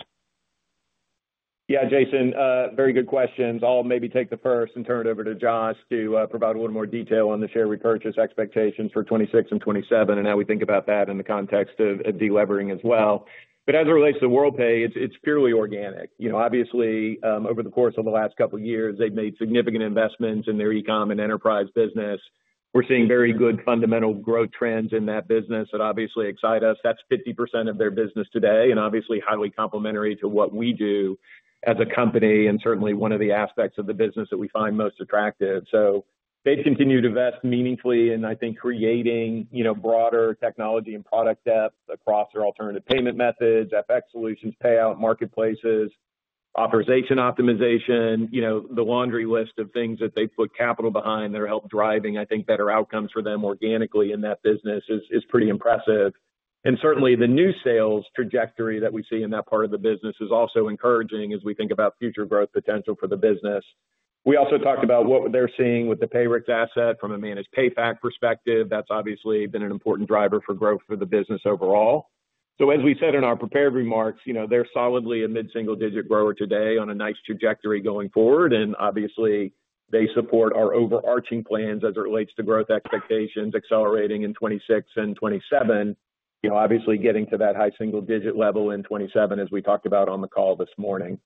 Yeah, Jason, very good questions. I'll maybe take the first and turn it over to Josh to provide a little more detail on the share repurchase expectations for 2026 and 2027 and how we think about that in the context of delevering as well. As it relates to Worldpay, it's purely organic. Obviously, over the course of the last couple of years, they've made significant investments in their e-com and enterprise business. We're seeing very good fundamental growth trends in that business that obviously excite us. That's 50% of their business today and obviously highly complementary to what we do as a company and certainly one of the aspects of the business that we find most attractive. They have continued to invest meaningfully in, I think, creating broader technology and product depth across their alternative payment methods, FX solutions, payout marketplaces, authorization optimization, the laundry list of things that they put capital behind that are helping drive, I think, better outcomes for them organically in that business is pretty impressive. Certainly, the new sales trajectory that we see in that part of the business is also encouraging as we think about future growth potential for the business. We also talked about what they're seeing with the Payrix asset from a managed payback perspective. That's obviously been an important driver for growth for the business overall. As we said in our prepared remarks, they're solidly a mid-single-digit grower today on a nice trajectory going forward. They support our overarching plans as it relates to growth expectations accelerating in 2026 and 2027, obviously getting to that high single-digit level in 2027, as we talked about on the call this morning.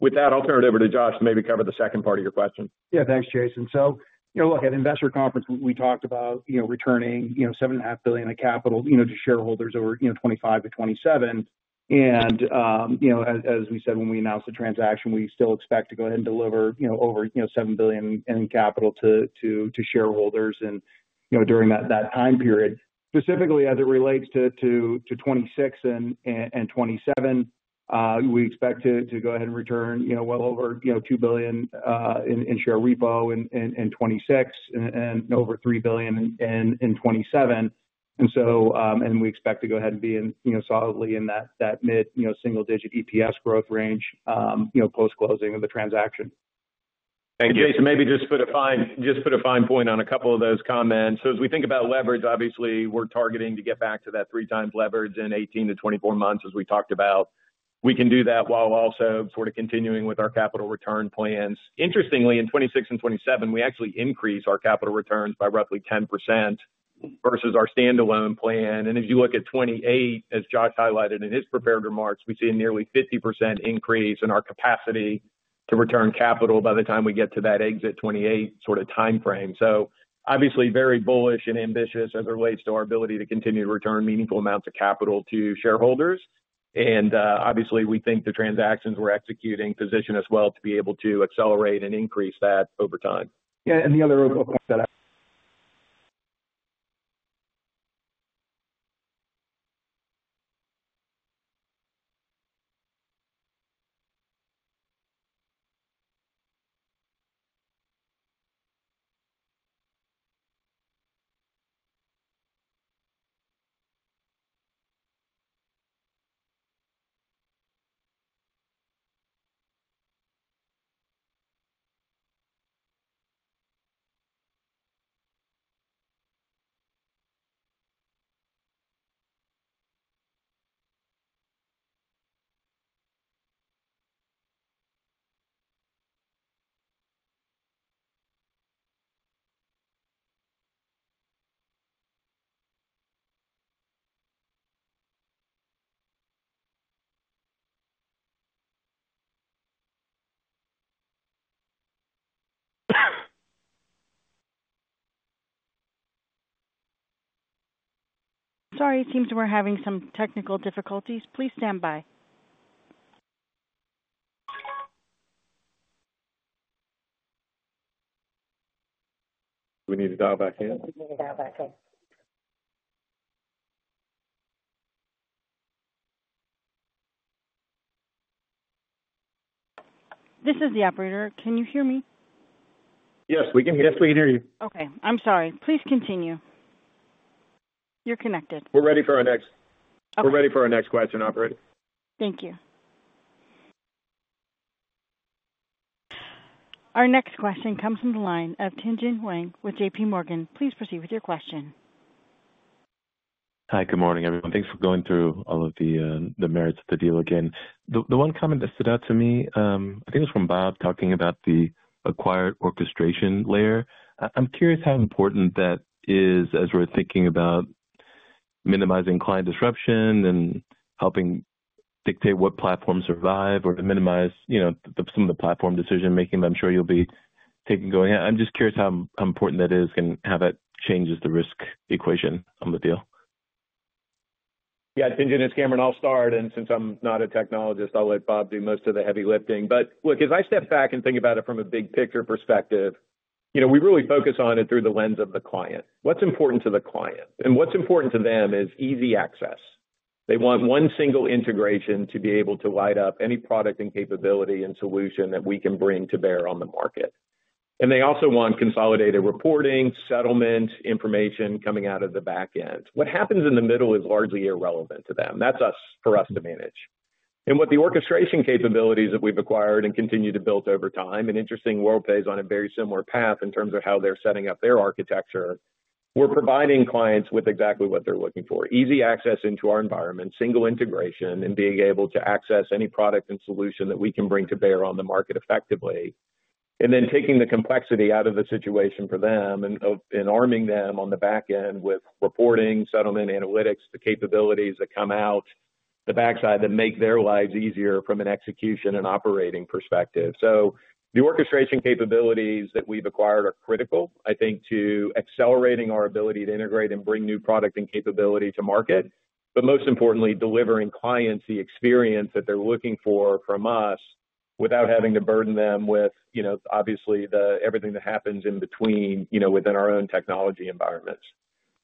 With that, I'll turn it over to Josh to maybe cover the second part of your question. Yeah, thanks, Jason. At Investor Conference, we talked about returning $7.5 billion of capital to shareholders over 2025 to 2027. As we said, when we announced the transaction, we still expect to go ahead and deliver over $7 billion in capital to shareholders during that time period. Specifically, as it relates to 2026 and 2027, we expect to go ahead and return well over $2 billion in share repo in 2026 and over $3 billion in 2027. We expect to go ahead and be solidly in that mid-single-digit EPS growth range post-closing of the transaction. Thank you. Jason, maybe just put a fine point on a couple of those comments. As we think about leverage, obviously, we are targeting to get back to that three times leverage in 18-24 months, as we talked about. We can do that while also sort of continuing with our capital return plans. Interestingly, in 2026 and 2027, we actually increased our capital returns by roughly 10% versus our standalone plan. If you look at 2028, as Josh highlighted in his prepared remarks, we see a nearly 50% increase in our capacity to return capital by the time we get to that exit 2028 sort of timeframe. Obviously, very bullish and ambitious as it relates to our ability to continue to return meaningful amounts of capital to shareholders. Obviously, we think the transactions we're executing position us well to be able to accelerate and increase that over time. Yeah, the other question that I— Sorry, it seems we're having some technical difficulties. Please stand by. We need to dial back in? This is the operator. Can you hear me? Yes, we can hear you. Yes, we can hear you. Okay. I'm sorry. Please continue. You're connected. We're ready for our next question, Operator. Thank you. Our next question comes from the line of Tien-Tsin Huang with JPMorgan. Please proceed with your question. Hi, good morning, everyone. Thanks for going through all of the merits of the deal again. The one comment that stood out to me, I think it was from Bob talking about the acquired orchestration layer. I'm curious how important that is as we're thinking about minimizing client disruption and helping dictate what platforms survive or to minimize some of the platform decision-making that I'm sure you'll be taking going ahead. I'm just curious how important that is and how that changes the risk equation on the deal. Yeah, Tien-Tsin, it's Cameron. I'll start. And since I'm not a technologist, I'll let Bob do most of the heavy lifting. As I step back and think about it from a big picture perspective, we really focus on it through the lens of the client. What's important to the client? What's important to them is easy access. They want one single integration to be able to light up any product and capability and solution that we can bring to bear on the market. They also want consolidated reporting, settlement information coming out of the back end. What happens in the middle is largely irrelevant to them. That's for us to manage. With the orchestration capabilities that we've acquired and continue to build over time, and interestingly, Worldpay is on a very similar path in terms of how they're setting up their architecture, we're providing clients with exactly what they're looking for: easy access into our environment, single integration, and being able to access any product and solution that we can bring to bear on the market effectively. Taking the complexity out of the situation for them and arming them on the back end with reporting, settlement, analytics, the capabilities that come out the backside that make their lives easier from an execution and operating perspective. The orchestration capabilities that we've acquired are critical, I think, to accelerating our ability to integrate and bring new product and capability to market. Most importantly, delivering clients the experience that they're looking for from us without having to burden them with, obviously, everything that happens in between within our own technology environments.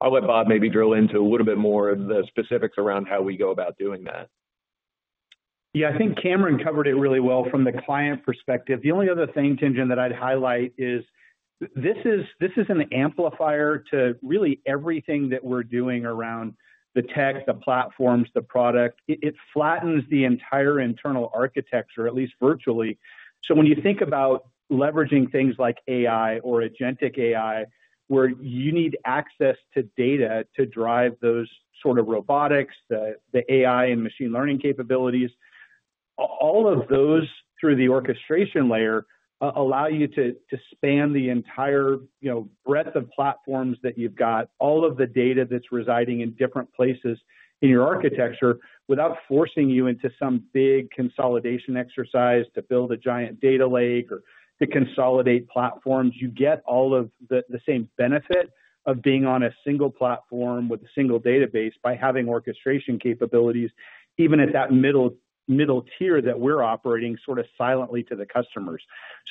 I'll let Bob maybe drill into a little bit more of the specifics around how we go about doing that. Yeah, I think Cameron covered it really well from the client perspective. The only other thing, Tien-Tsin, that I'd highlight is this is an amplifier to really everything that we're doing around the tech, the platforms, the product. It flattens the entire internal architecture, at least virtually. When you think about leveraging things like AI or agentic AI, where you need access to data to drive those sort of robotics, the AI and machine learning capabilities, all of those through the orchestration layer allow you to span the entire breadth of platforms that you've got, all of the data that's residing in different places in your architecture without forcing you into some big consolidation exercise to build a giant data lake or to consolidate platforms. You get all of the same benefit of being on a single platform with a single database by having orchestration capabilities, even at that middle tier that we're operating sort of silently to the customers.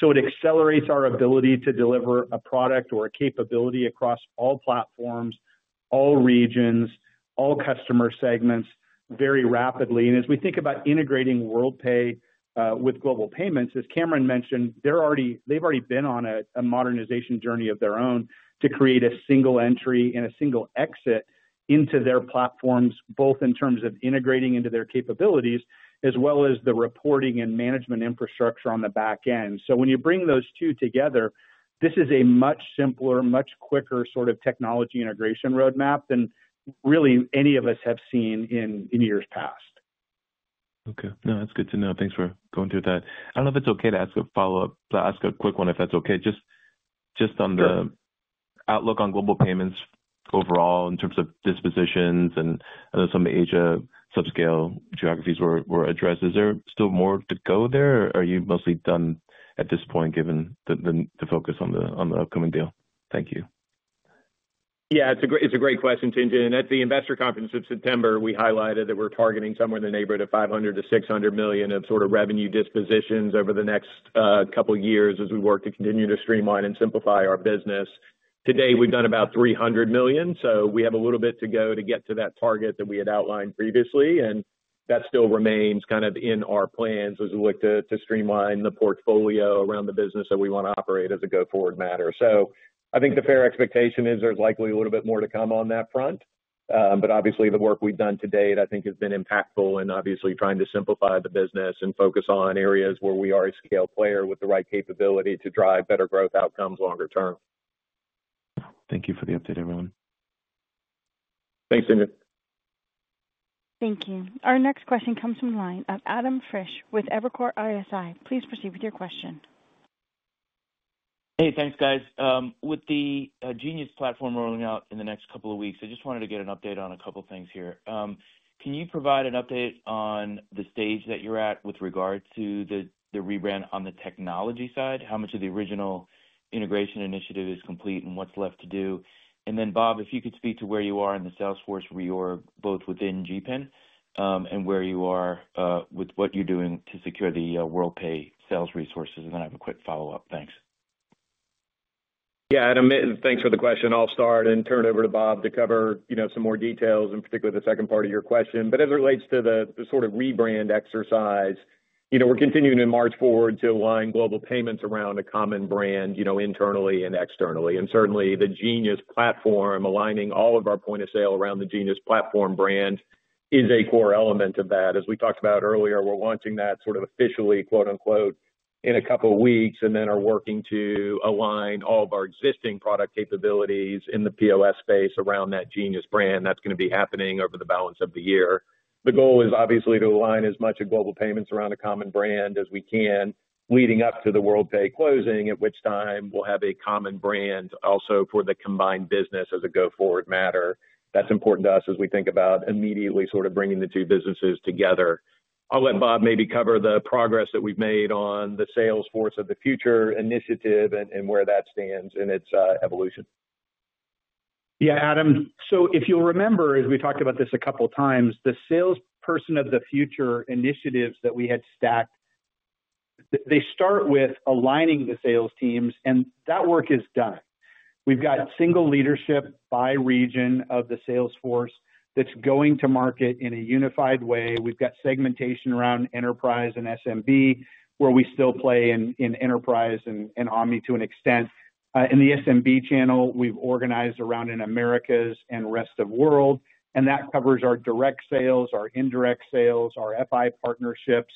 It accelerates our ability to deliver a product or a capability across all platforms, all regions, all customer segments very rapidly. As we think about integrating Worldpay with Global Payments, as Cameron mentioned, they've already been on a modernization journey of their own to create a single entry and a single exit into their platforms, both in terms of integrating into their capabilities as well as the reporting and management infrastructure on the back end. When you bring those two together, this is a much simpler, much quicker sort of technology integration roadmap than really any of us have seen in years past. Okay. No, that's good to know. Thanks for going through that. I don't know if it's okay to ask a follow-up, but I'll ask a quick one if that's okay. Just on the outlook on Global Payments overall in terms of dispositions and some of the Asia subscale geographies were addressed. Is there still more to go there? Are you mostly done at this point given the focus on the upcoming deal? Thank you. Yeah, it's a great question, Tien-Tsin. At the Investor Conference in September, we highlighted that we're targeting somewhere in the neighborhood of $500 million-$600 million of sort of revenue dispositions over the next couple of years as we work to continue to streamline and simplify our business. Today, we've done about $300 million. We have a little bit to go to get to that target that we had outlined previously. That still remains kind of in our plans as we look to streamline the portfolio around the business that we want to operate as a go-forward matter. I think the fair expectation is there's likely a little bit more to come on that front. Obviously, the work we've done to date, I think, has been impactful in obviously trying to simplify the business and focus on areas where we are a scale player with the right capability to drive better growth outcomes longer term. Thank you for the update, everyone. Thanks, Tien-Tsin. Thank you. Our next question comes from the line of Adam Frisch with Evercore ISI. Please proceed with your question. Hey, thanks, guys. With the Genius platform rolling out in the next couple of weeks, I just wanted to get an update on a couple of things here. Can you provide an update on the stage that you're at with regard to the rebrand on the technology side? How much of the original integration initiative is complete and what's left to do? Then, Bob, if you could speak to where you are in the Salesforce reorg, both within GPN and where you are with what you're doing to secure the Worldpay sales resources. I have a quick follow-up. Thanks. Yeah, Adam, thanks for the question. I'll start and turn it over to Bob to cover some more details, in particular the second part of your question. As it relates to the sort of rebrand exercise, we're continuing to march forward to align Global Payments around a common brand internally and externally. Certainly, the Genius platform, aligning all of our point-of-sale around the Genius platform brand, is a core element of that. As we talked about earlier, we're launching that sort of officially, quote-unquote, in a couple of weeks and then are working to align all of our existing product capabilities in the POS space around that Genius brand. That's going to be happening over the balance of the year. The goal is obviously to align as much of Global Payments around a common brand as we can leading up to the Worldpay closing, at which time we'll have a common brand also for the combined business as a go-forward matter. That's important to us as we think about immediately sort of bringing the two businesses together. I'll let Bob maybe cover the progress that we've made on the Salesforce of the Future initiative and where that stands in its evolution. Yeah, Adam. If you'll remember, as we talked about this a couple of times, the Salesperson of the Future initiatives that we had stacked, they start with aligning the sales teams, and that work is done. We've got single leadership by region of the Salesforce that's going to market in a unified way. We've got segmentation around enterprise and SMB, where we still play in enterprise and omni to an extent. In the SMB channel, we've organized around in Americas and rest of the world. That covers our direct sales, our indirect sales, our FI partnerships,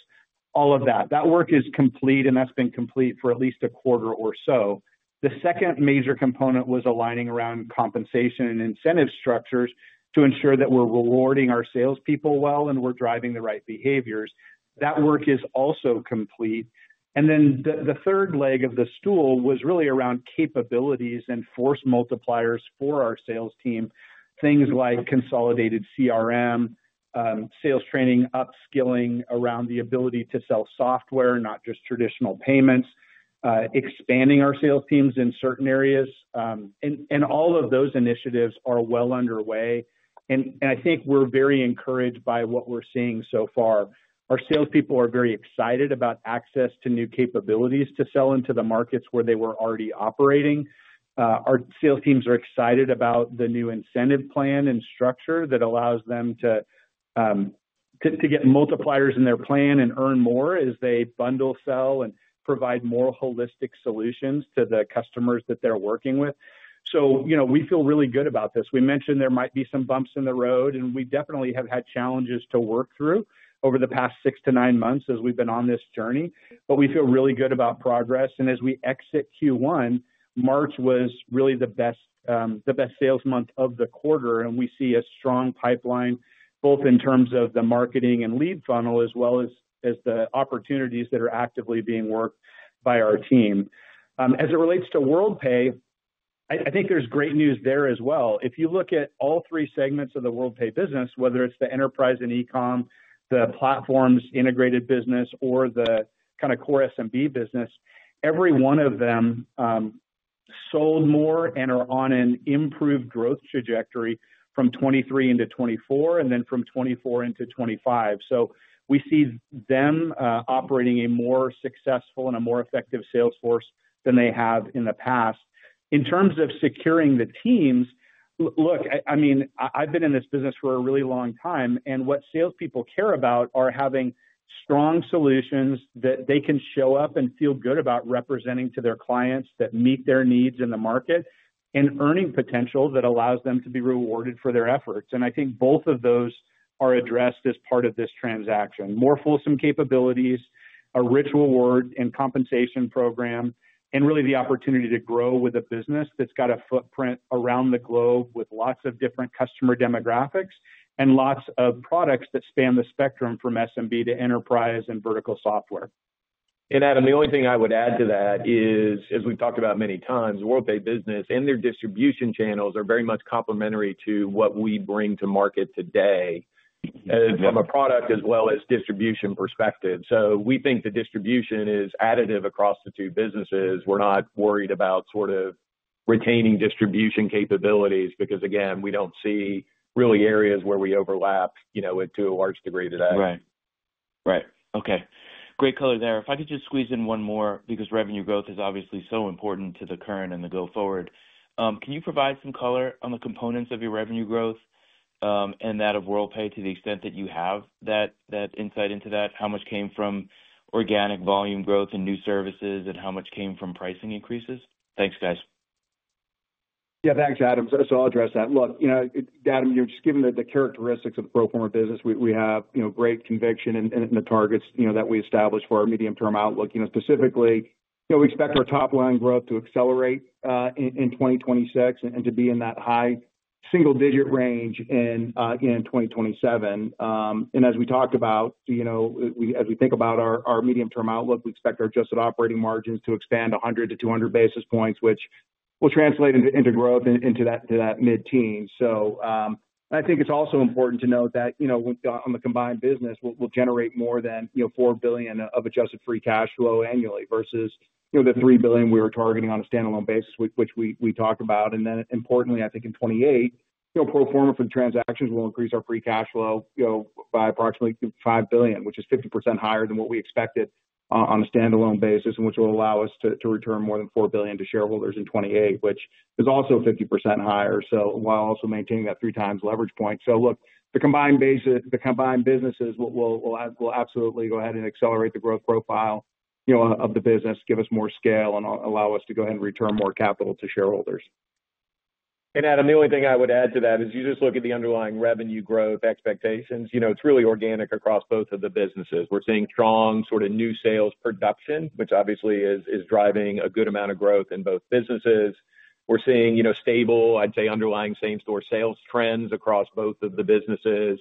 all of that. That work is complete, and that's been complete for at least a quarter or so. The second major component was aligning around compensation and incentive structures to ensure that we're rewarding our salespeople well and we're driving the right behaviors. That work is also complete. The third leg of the stool was really around capabilities and force multipliers for our sales team, things like consolidated CRM, sales training, upskilling around the ability to sell software, not just traditional payments, expanding our sales teams in certain areas. All of those initiatives are well underway. I think we're very encouraged by what we're seeing so far. Our salespeople are very excited about access to new capabilities to sell into the markets where they were already operating. Our sales teams are excited about the new incentive plan and structure that allows them to get multipliers in their plan and earn more as they bundle, sell, and provide more holistic solutions to the customers that they're working with. We feel really good about this. We mentioned there might be some bumps in the road, and we definitely have had challenges to work through over the past 6-9 months as we've been on this journey. We feel really good about progress. As we exit Q1, March was really the best sales month of the quarter. We see a strong pipeline, both in terms of the marketing and lead funnel as well as the opportunities that are actively being worked by our team. As it relates to Worldpay, I think there's great news there as well. If you look at all three segments of the Worldpay business, whether it's the enterprise and e-com, the platforms integrated business, or the kind of core SMB business, every one of them sold more and are on an improved growth trajectory from 2023 into 2024 and then from 2024 into 2025. We see them operating a more successful and a more effective Salesforce than they have in the past. In terms of securing the teams, look, I mean, I've been in this business for a really long time. What salespeople care about are having strong solutions that they can show up and feel good about representing to their clients that meet their needs in the market and earning potential that allows them to be rewarded for their efforts. I think both of those are addressed as part of this transaction: more fulsome capabilities, a rich reward and compensation program, and really the opportunity to grow with a business that's got a footprint around the globe with lots of different customer demographics and lots of products that span the spectrum from SMB to enterprise and vertical software. Adam, the only thing I would add to that is, as we've talked about many times, the Worldpay business and their distribution channels are very much complementary to what we bring to market today from a product as well as distribution perspective. We think the distribution is additive across the two businesses. We're not worried about sort of retaining distribution capabilities because, again, we don't see really areas where we overlap to a large degree today. Right. Right. Okay. Great color there. If I could just squeeze in one more because revenue growth is obviously so important to the current and the go-forward. Can you provide some color on the components of your revenue growth and that of Worldpay to the extent that you have that insight into that? How much came from organic volume growth and new services and how much came from pricing increases? Thanks, guys. Yeah, thanks, Adam. I'll address that. Look, Adam, you're just giving the characteristics of the pro forma business. We have great conviction in the targets that we established for our medium-term outlook. Specifically, we expect our top-line growth to accelerate in 2026 and to be in that high single-digit range in 2027. As we talked about, as we think about our medium-term outlook, we expect our adjusted operating margins to expand 100-200 basis points, which will translate into growth into that mid-teen. I think it's also important to note that on the combined business, we'll generate more than $4 billion of adjusted free cash flow annually versus the $3 billion we were targeting on a standalone basis, which we talked about. Importantly, I think in 2028, pro forma for the transactions will increase our free cash flow by approximately $5 billion, which is 50% higher than what we expected on a standalone basis, which will allow us to return more than $4 billion to shareholders in 2028, which is also 50% higher, while also maintaining that three-times leverage point. The combined businesses will absolutely go ahead and accelerate the growth profile of the business, give us more scale, and allow us to go ahead and return more capital to shareholders. Adam, the only thing I would add to that is you just look at the underlying revenue growth expectations. It is really organic across both of the businesses. We are seeing strong sort of new sales production, which obviously is driving a good amount of growth in both businesses. We're seeing stable, I'd say, underlying same-store sales trends across both of the businesses.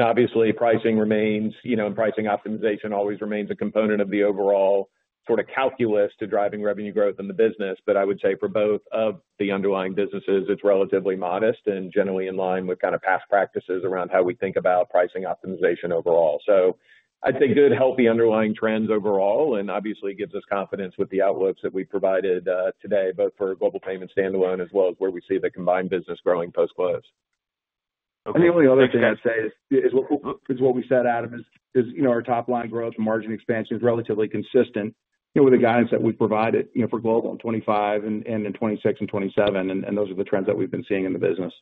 Obviously, pricing remains and pricing optimization always remains a component of the overall sort of calculus to driving revenue growth in the business. I would say for both of the underlying businesses, it's relatively modest and generally in line with kind of past practices around how we think about pricing optimization overall. I'd say good, healthy underlying trends overall, and obviously gives us confidence with the outlooks that we've provided today, both for Global Payments standalone as well as where we see the combined business growing post-close. The only other thing I'd say is what we said, Adam, is our top-line growth and margin expansion is relatively consistent with the guidance that we've provided for Global in 2025 and in 2026 and 2027. Those are the trends that we've been seeing in the business.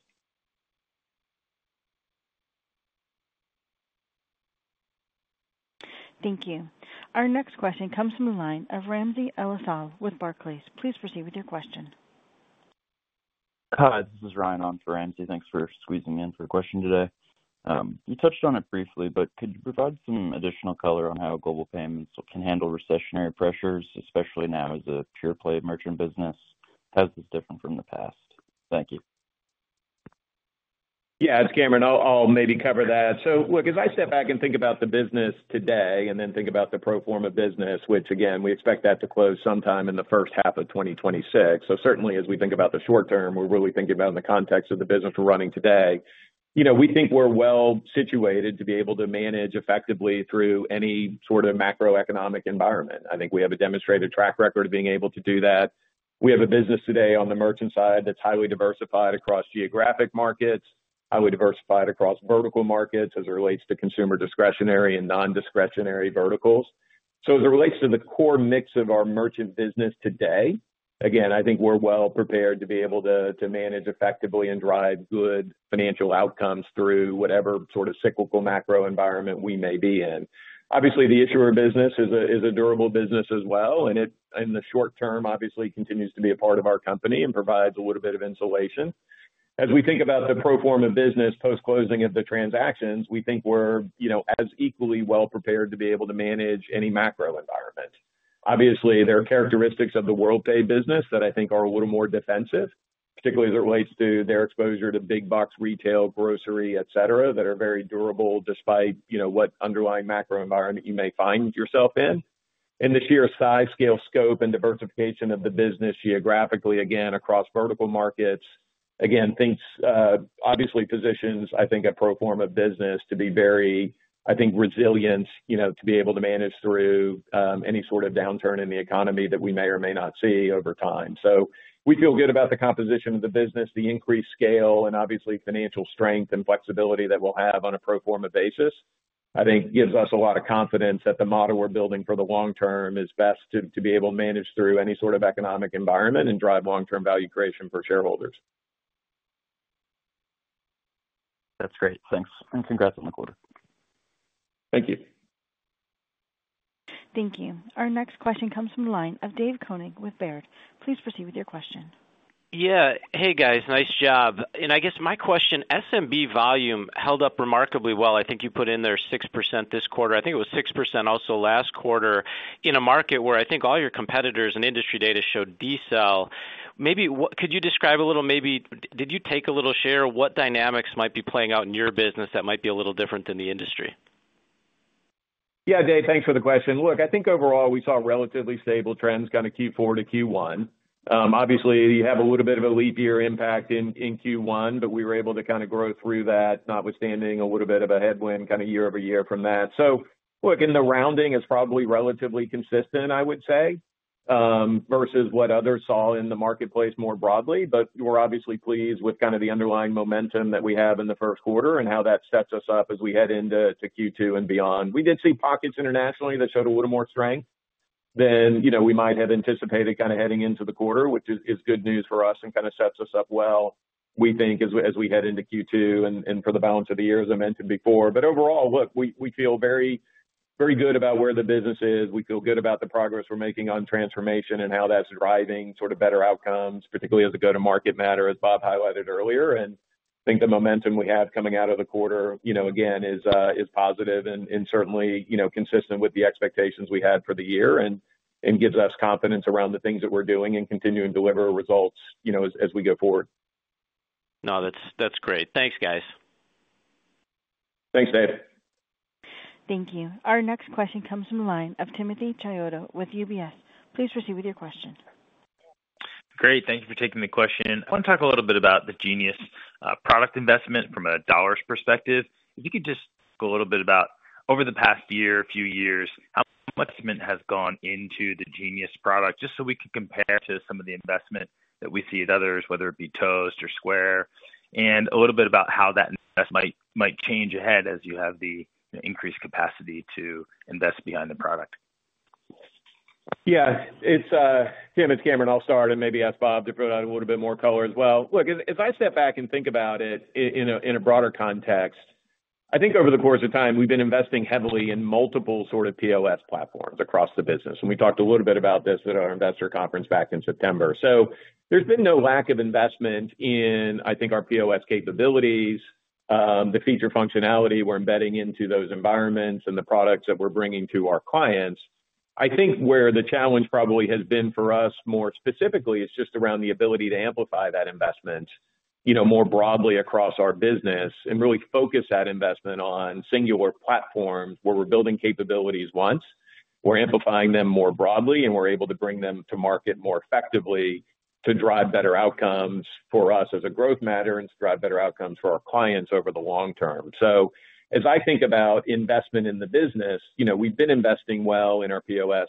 Thank you. Our next question comes from the line of Ramsey El-Assal with Barclays. Please proceed with your question. Hi, this is Ryan on for Ramsey. Thanks for squeezing in for a question today. You touched on it briefly, but could you provide some additional color on how Global Payments can handle recessionary pressures, especially now as a pure-play merchant business? How is this different from the past? Thank you. Yeah, it's Cameron. I'll maybe cover that. Look, as I step back and think about the business today and then think about the pro forma business, which, again, we expect that to close sometime in the first half of 2026. Certainly, as we think about the short term, we're really thinking about it in the context of the business we're running today. We think we're well situated to be able to manage effectively through any sort of macroeconomic environment. I think we have a demonstrated track record of being able to do that. We have a business today on the merchant side that's highly diversified across geographic markets, highly diversified across vertical markets as it relates to consumer discretionary and non-discretionary verticals. As it relates to the core mix of our merchant business today, again, I think we're well prepared to be able to manage effectively and drive good financial outcomes through whatever sort of cyclical macro environment we may be in. Obviously, the issuer business is a durable business as well. In the short term, obviously, it continues to be a part of our company and provides a little bit of insulation. As we think about the pro forma business post-closing of the transactions, we think we're as equally well prepared to be able to manage any macro environment. Obviously, there are characteristics of the Worldpay business that I think are a little more defensive, particularly as it relates to their exposure to big box retail, grocery, etc., that are very durable despite what underlying macro environment you may find yourself in. The sheer size, scale, scope, and diversification of the business geographically, again, across vertical markets, again, thinks obviously positions, I think, a pro forma business to be very, I think, resilient to be able to manage through any sort of downturn in the economy that we may or may not see over time. We feel good about the composition of the business, the increased scale, and obviously financial strength and flexibility that we'll have on a pro forma basis, I think, gives us a lot of confidence that the model we're building for the long term is best to be able to manage through any sort of economic environment and drive long-term value creation for shareholders. That's great. Thanks. And congrats on the quarter. Thank you. Thank you. Our next question comes from the line of Dave Koning with Baird. Please proceed with your question. Yeah. Hey, guys. Nice job. I guess my question, SMB volume held up remarkably well. I think you put in there 6% this quarter. I think it was 6% also last quarter in a market where I think all your competitors and industry data showed decel. Maybe could you describe a little, maybe did you take a little share of what dynamics might be playing out in your business that might be a little different than the industry? Yeah, Dave, thanks for the question. Look, I think overall we saw relatively stable trends kind of Q4 to Q1. Obviously, you have a little bit of a leap year impact in Q1, but we were able to kind of grow through that, notwithstanding a little bit of a headwind kind of year-over-year from that. In the rounding, it's probably relatively consistent, I would say, versus what others saw in the marketplace more broadly. We're obviously pleased with kind of the underlying momentum that we have in the first quarter and how that sets us up as we head into Q2 and beyond. We did see pockets internationally that showed a little more strength than we might have anticipated kind of heading into the quarter, which is good news for us and kind of sets us up well, we think, as we head into Q2 and for the balance of the year, as I mentioned before. Overall, look, we feel very good about where the business is. We feel good about the progress we're making on transformation and how that's driving sort of better outcomes, particularly as a go-to-market matter, as Bob highlighted earlier. I think the momentum we have coming out of the quarter, again, is positive and certainly consistent with the expectations we had for the year and gives us confidence around the things that we're doing and continuing to deliver results as we go forward. No, that's great. Thanks, guys. Thanks, Dave. Thank you. Our next question comes from the line of Timothy Chiodo with UBS. Please proceed with your question. Great. Thank you for taking the question. I want to talk a little bit about the Genius product investment from a dollars perspective. If you could just go a little bit about over the past year, a few years, how much investment has gone into the Genius product just so we can compare to some of the investment that we see at others, whether it be Toast or Square, and a little bit about how that investment might change ahead as you have the increased capacity to invest behind the product. Yeah. Tim, it's Cameron. I'll start and maybe ask Bob to put on a little bit more color as well. Look, as I step back and think about it in a broader context, I think over the course of time, we've been investing heavily in multiple sort of POS platforms across the business. We talked a little bit about this at our Investor Conference back in September. There's been no lack of investment in, I think, our POS capabilities, the feature functionality we're embedding into those environments, and the products that we're bringing to our clients. I think where the challenge probably has been for us more specifically is just around the ability to amplify that investment more broadly across our business and really focus that investment on singular platforms where we're building capabilities once. We're amplifying them more broadly, and we're able to bring them to market more effectively to drive better outcomes for us as a growth matter and to drive better outcomes for our clients over the long term. As I think about investment in the business, we've been investing well in our POS.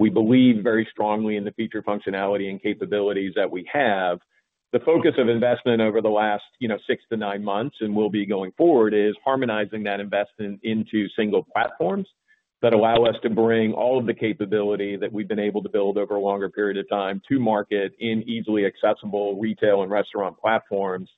We believe very strongly in the feature functionality and capabilities that we have. The focus of investment over the last 6-9 months and will be going forward is harmonizing that investment into single platforms that allow us to bring all of the capability that we've been able to build over a longer period of time to market in easily accessible retail and restaurant platforms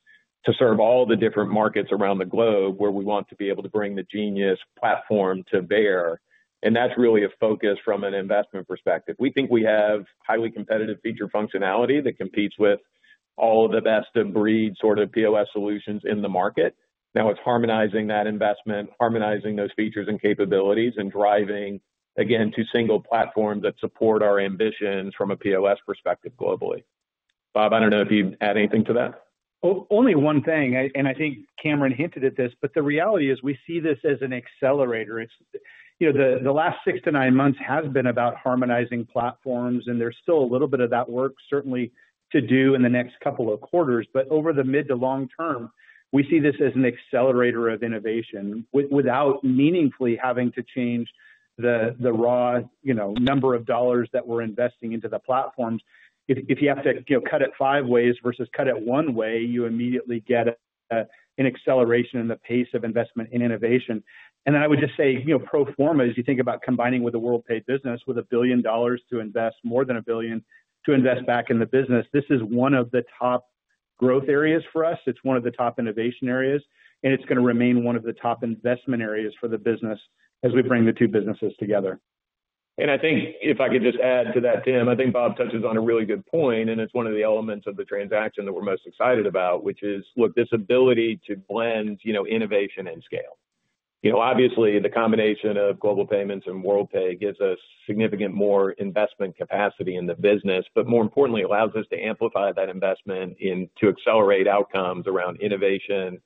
to serve all the different markets around the globe where we want to be able to bring the Genius platform to bear. That's really a focus from an investment perspective. We think we have highly competitive feature functionality that competes with all of the best of breed sort of POS solutions in the market. Now, it's harmonizing that investment, harmonizing those features and capabilities, and driving, again, to single platforms that support our ambitions from a POS perspective globally. Bob, I don't know if you'd add anything to that. Only one thing, and I think Cameron hinted at this, but the reality is we see this as an accelerator. The last 6-9 months has been about harmonizing platforms, and there's still a little bit of that work certainly to do in the next couple of quarters. Over the mid to long term, we see this as an accelerator of innovation without meaningfully having to change the raw number of dollars that we're investing into the platforms. If you have to cut it five ways versus cut it one way, you immediately get an acceleration in the pace of investment in innovation. I would just say pro forma, as you think about combining with the Worldpay business with a billion dollars to invest, more than a billion to invest back in the business, this is one of the top growth areas for us. It is one of the top innovation areas, and it is going to remain one of the top investment areas for the business as we bring the two businesses together. I think if I could just add to that, Tim, I think Bob touches on a really good point, and it is one of the elements of the transaction that we are most excited about, which is, look, this ability to blend innovation and scale. Obviously, the combination of Global Payments and Worldpay gives us significant more investment capacity in the business, but more importantly, allows us to amplify that investment to accelerate outcomes around innovation,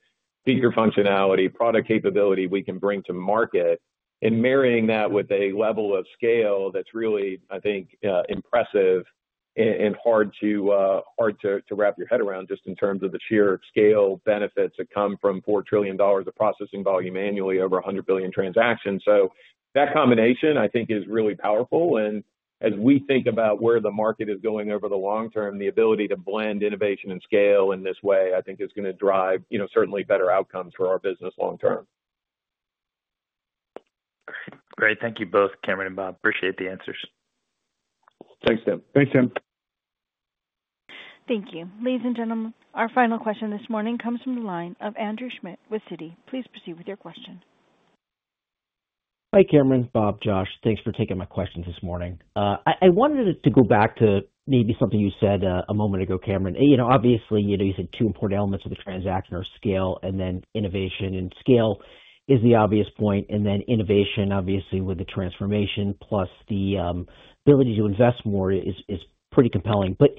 feature functionality, product capability we can bring to market, and marrying that with a level of scale that's really, I think, impressive and hard to wrap your head around just in terms of the sheer scale benefits that come from $4 trillion of processing volume annually over 100 billion transactions. That combination, I think, is really powerful. As we think about where the market is going over the long term, the ability to blend innovation and scale in this way, I think, is going to drive certainly better outcomes for our business long term. Great. Thank you both, Cameron and Bob. Appreciate the answers. Thanks, Tim. Thanks, Tim. Thank you. Ladies and gentlemen, our final question this morning comes from the line of Andrew Schmidt with Citi. Please proceed with your question. Hi, Cameron. Bob, Josh, thanks for taking my questions this morning. I wanted to go back to maybe something you said a moment ago, Cameron. Obviously, you said two important elements of the transaction are scale and then innovation. Scale is the obvious point. Innovation, obviously, with the transformation plus the ability to invest more is pretty compelling. If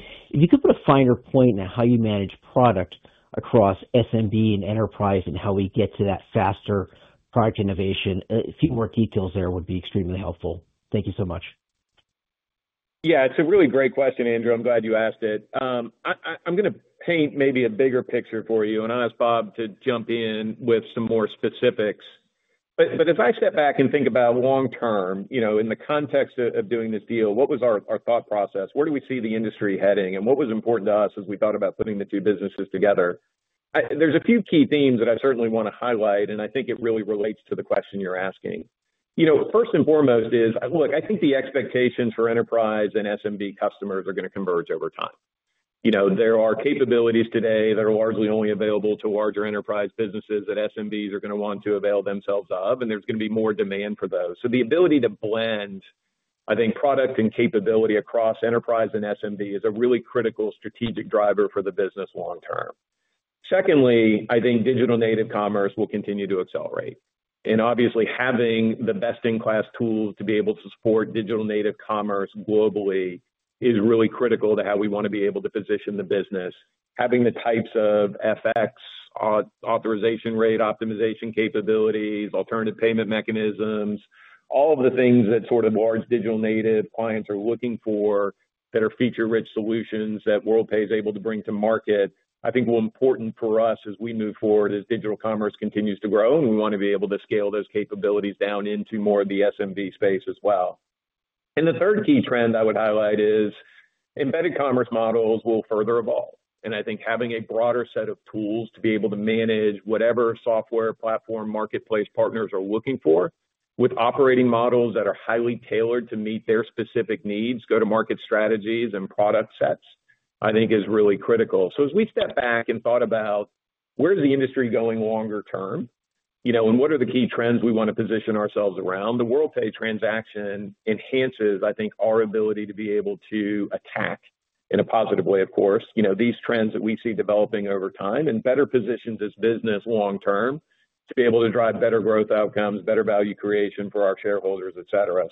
you could put a finer point on how you manage product across SMB and enterprise and how we get to that faster product innovation, a few more details there would be extremely helpful. Thank you so much. Yeah, it's a really great question, Andrew. I'm glad you asked it. I'm going to paint maybe a bigger picture for you and ask Bob to jump in with some more specifics. As I step back and think about long term in the context of doing this deal, what was our thought process? Where do we see the industry heading? What was important to us as we thought about putting the two businesses together? There are a few key themes that I certainly want to highlight, and I think it really relates to the question you're asking. First and foremost is, look, I think the expectations for enterprise and SMB customers are going to converge over time. There are capabilities today that are largely only available to larger enterprise businesses that SMBs are going to want to avail themselves of, and there's going to be more demand for those. The ability to blend, I think, product and capability across enterprise and SMB is a really critical strategic driver for the business long term. Secondly, I think digital native commerce will continue to accelerate. Obviously, having the best-in-class tools to be able to support digital native commerce globally is really critical to how we want to be able to position the business. Having the types of FX authorization rate optimization capabilities, alternative payment mechanisms, all of the things that sort of large digital native clients are looking for that are feature-rich solutions that Worldpay is able to bring to market, I think will be important for us as we move forward as digital commerce continues to grow. We want to be able to scale those capabilities down into more of the SMB space as well. The third key trend I would highlight is embedded commerce models will further evolve. I think having a broader set of tools to be able to manage whatever software platform marketplace partners are looking for with operating models that are highly tailored to meet their specific needs, go-to-market strategies and product sets, is really critical. As we step back and thought about where's the industry going longer term and what are the key trends we want to position ourselves around, the Worldpay transaction enhances our ability to be able to attack in a positive way, of course, these trends that we see developing over time and better positions us as business long term to be able to drive better growth outcomes, better value creation for our shareholders, etc.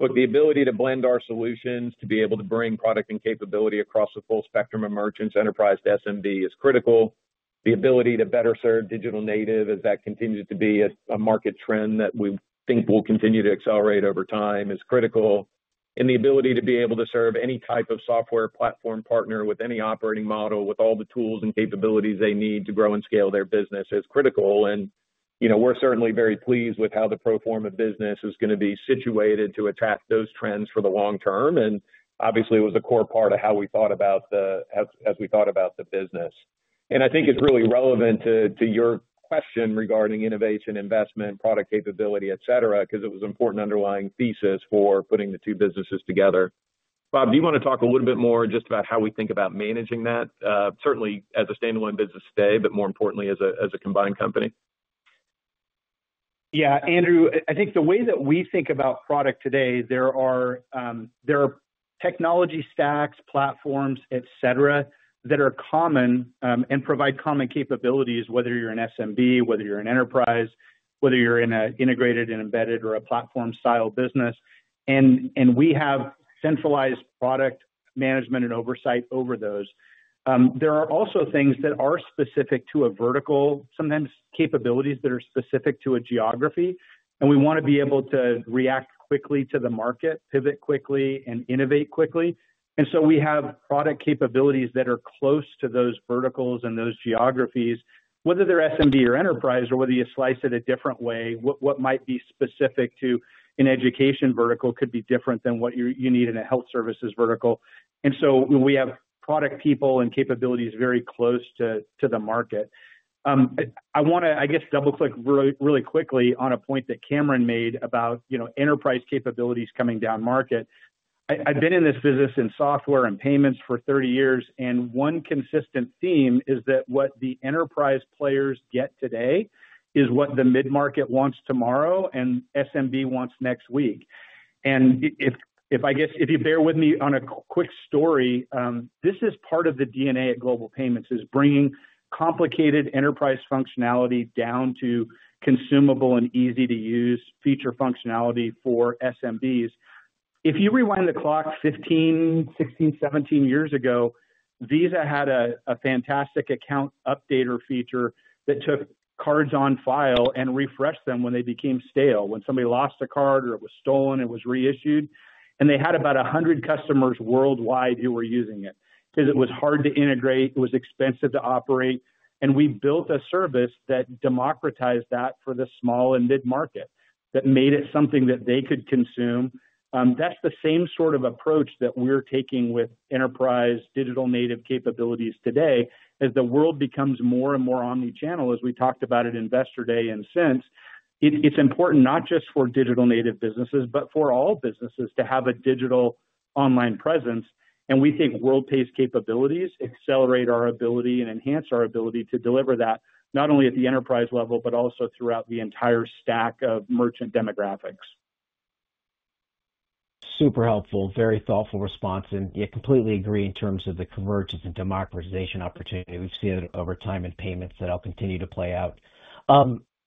Look, the ability to blend our solutions to be able to bring product and capability across the full spectrum of merchants, enterprise, to SMB is critical. The ability to better serve digital native as that continues to be a market trend that we think will continue to accelerate over time is critical. The ability to be able to serve any type of software platform partner with any operating model with all the tools and capabilities they need to grow and scale their business is critical. We are certainly very pleased with how the pro forma business is going to be situated to attack those trends for the long term. Obviously, it was a core part of how we thought about the business. I think it's really relevant to your question regarding innovation, investment, product capability, etc., because it was an important underlying thesis for putting the two businesses together. Bob, do you want to talk a little bit more just about how we think about managing that, certainly as a standalone business today, but more importantly as a combined company? Yeah, Andrew, I think the way that we think about product today is there are technology stacks, platforms, etc., that are common and provide common capabilities, whether you're an SMB, whether you're an enterprise, whether you're in an integrated and embedded or a platform-style business. We have centralized product management and oversight over those. There are also things that are specific to a vertical, sometimes capabilities that are specific to a geography. We want to be able to react quickly to the market, pivot quickly, and innovate quickly. We have product capabilities that are close to those verticals and those geographies, whether they're SMB or enterprise or whether you slice it a different way. What might be specific to an education vertical could be different than what you need in a health services vertical. We have product people and capabilities very close to the market. I want to, I guess, double-click really quickly on a point that Cameron made about enterprise capabilities coming down market. I've been in this business in software and payments for 30 years, and one consistent theme is that what the enterprise players get today is what the mid-market wants tomorrow and SMB wants next week. If you bear with me on a quick story, this is part of the DNA at Global Payments, bringing complicated enterprise functionality down to consumable and easy-to-use feature functionality for SMBs. If you rewind the clock 15, 16, 17 years ago, Visa had a fantastic account updater feature that took cards on file and refreshed them when they became stale. When somebody lost a card or it was stolen, it was reissued. They had about 100 customers worldwide who were using it because it was hard to integrate. It was expensive to operate. We built a service that democratized that for the small and mid-market that made it something that they could consume. That is the same sort of approach that we are taking with enterprise digital native capabilities today. As the world becomes more and more omnichannel, as we talked about at Investor Day and since, it's important not just for digital native businesses, but for all businesses to have a digital online presence. We think Worldpay's capabilities accelerate our ability and enhance our ability to deliver that not only at the enterprise level, but also throughout the entire stack of merchant demographics. Super helpful, very thoughtful response. Yeah, completely agree in terms of the convergence and democratization opportunity we've seen over time in payments that I'll continue to play out.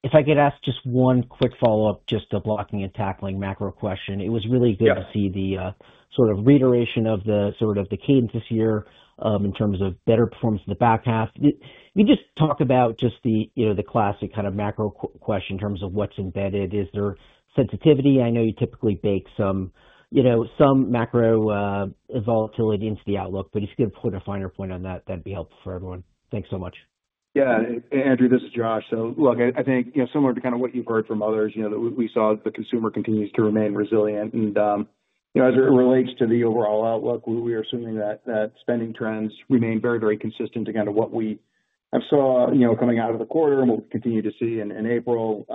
If I could ask just one quick follow-up, just a blocking and tackling macro question. It was really good to see the sort of reiteration of the sort of the cadence this year in terms of better performance in the back half. You just talk about just the classic kind of macro question in terms of what's embedded. Is there sensitivity? I know you typically bake some macro volatility into the outlook, but if you could put a finer point on that, that'd be helpful for everyone. Thanks so much. Yeah, Andrew, this is Josh. Look, I think similar to kind of what you've heard from others, we saw the consumer continues to remain resilient. As it relates to the overall outlook, we are assuming that spending trends remain very, very consistent to kind of what we saw coming out of the quarter and what we continue to see in April.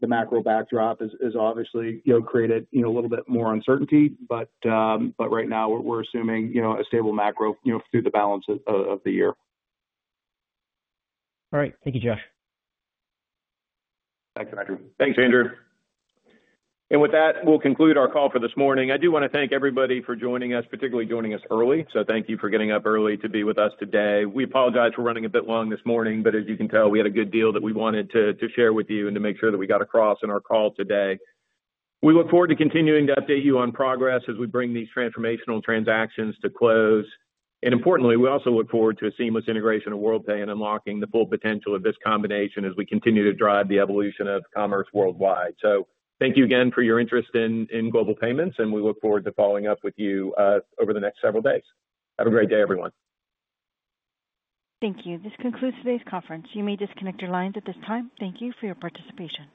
The macro backdrop has obviously created a little bit more uncertainty, but right now we're assuming a stable macro through the balance of the year. All right. Thank you, Josh. Thanks, Andrew. Thanks, Andrew. With that, we'll conclude our call for this morning. I do want to thank everybody for joining us, particularly joining us early. Thank you for getting up early to be with us today. We apologize for running a bit long this morning, but as you can tell, we had a good deal that we wanted to share with you and to make sure that we got across in our call today. We look forward to continuing to update you on progress as we bring these transformational transactions to close. Importantly, we also look forward to a seamless integration of Worldpay and unlocking the full potential of this combination as we continue to drive the evolution of commerce worldwide. Thank you again for your interest in Global Payments, and we look forward to following up with you over the next several days. Have a great day, everyone. Thank you. This concludes today's conference. You may disconnect your lines at this time. Thank you for your participation.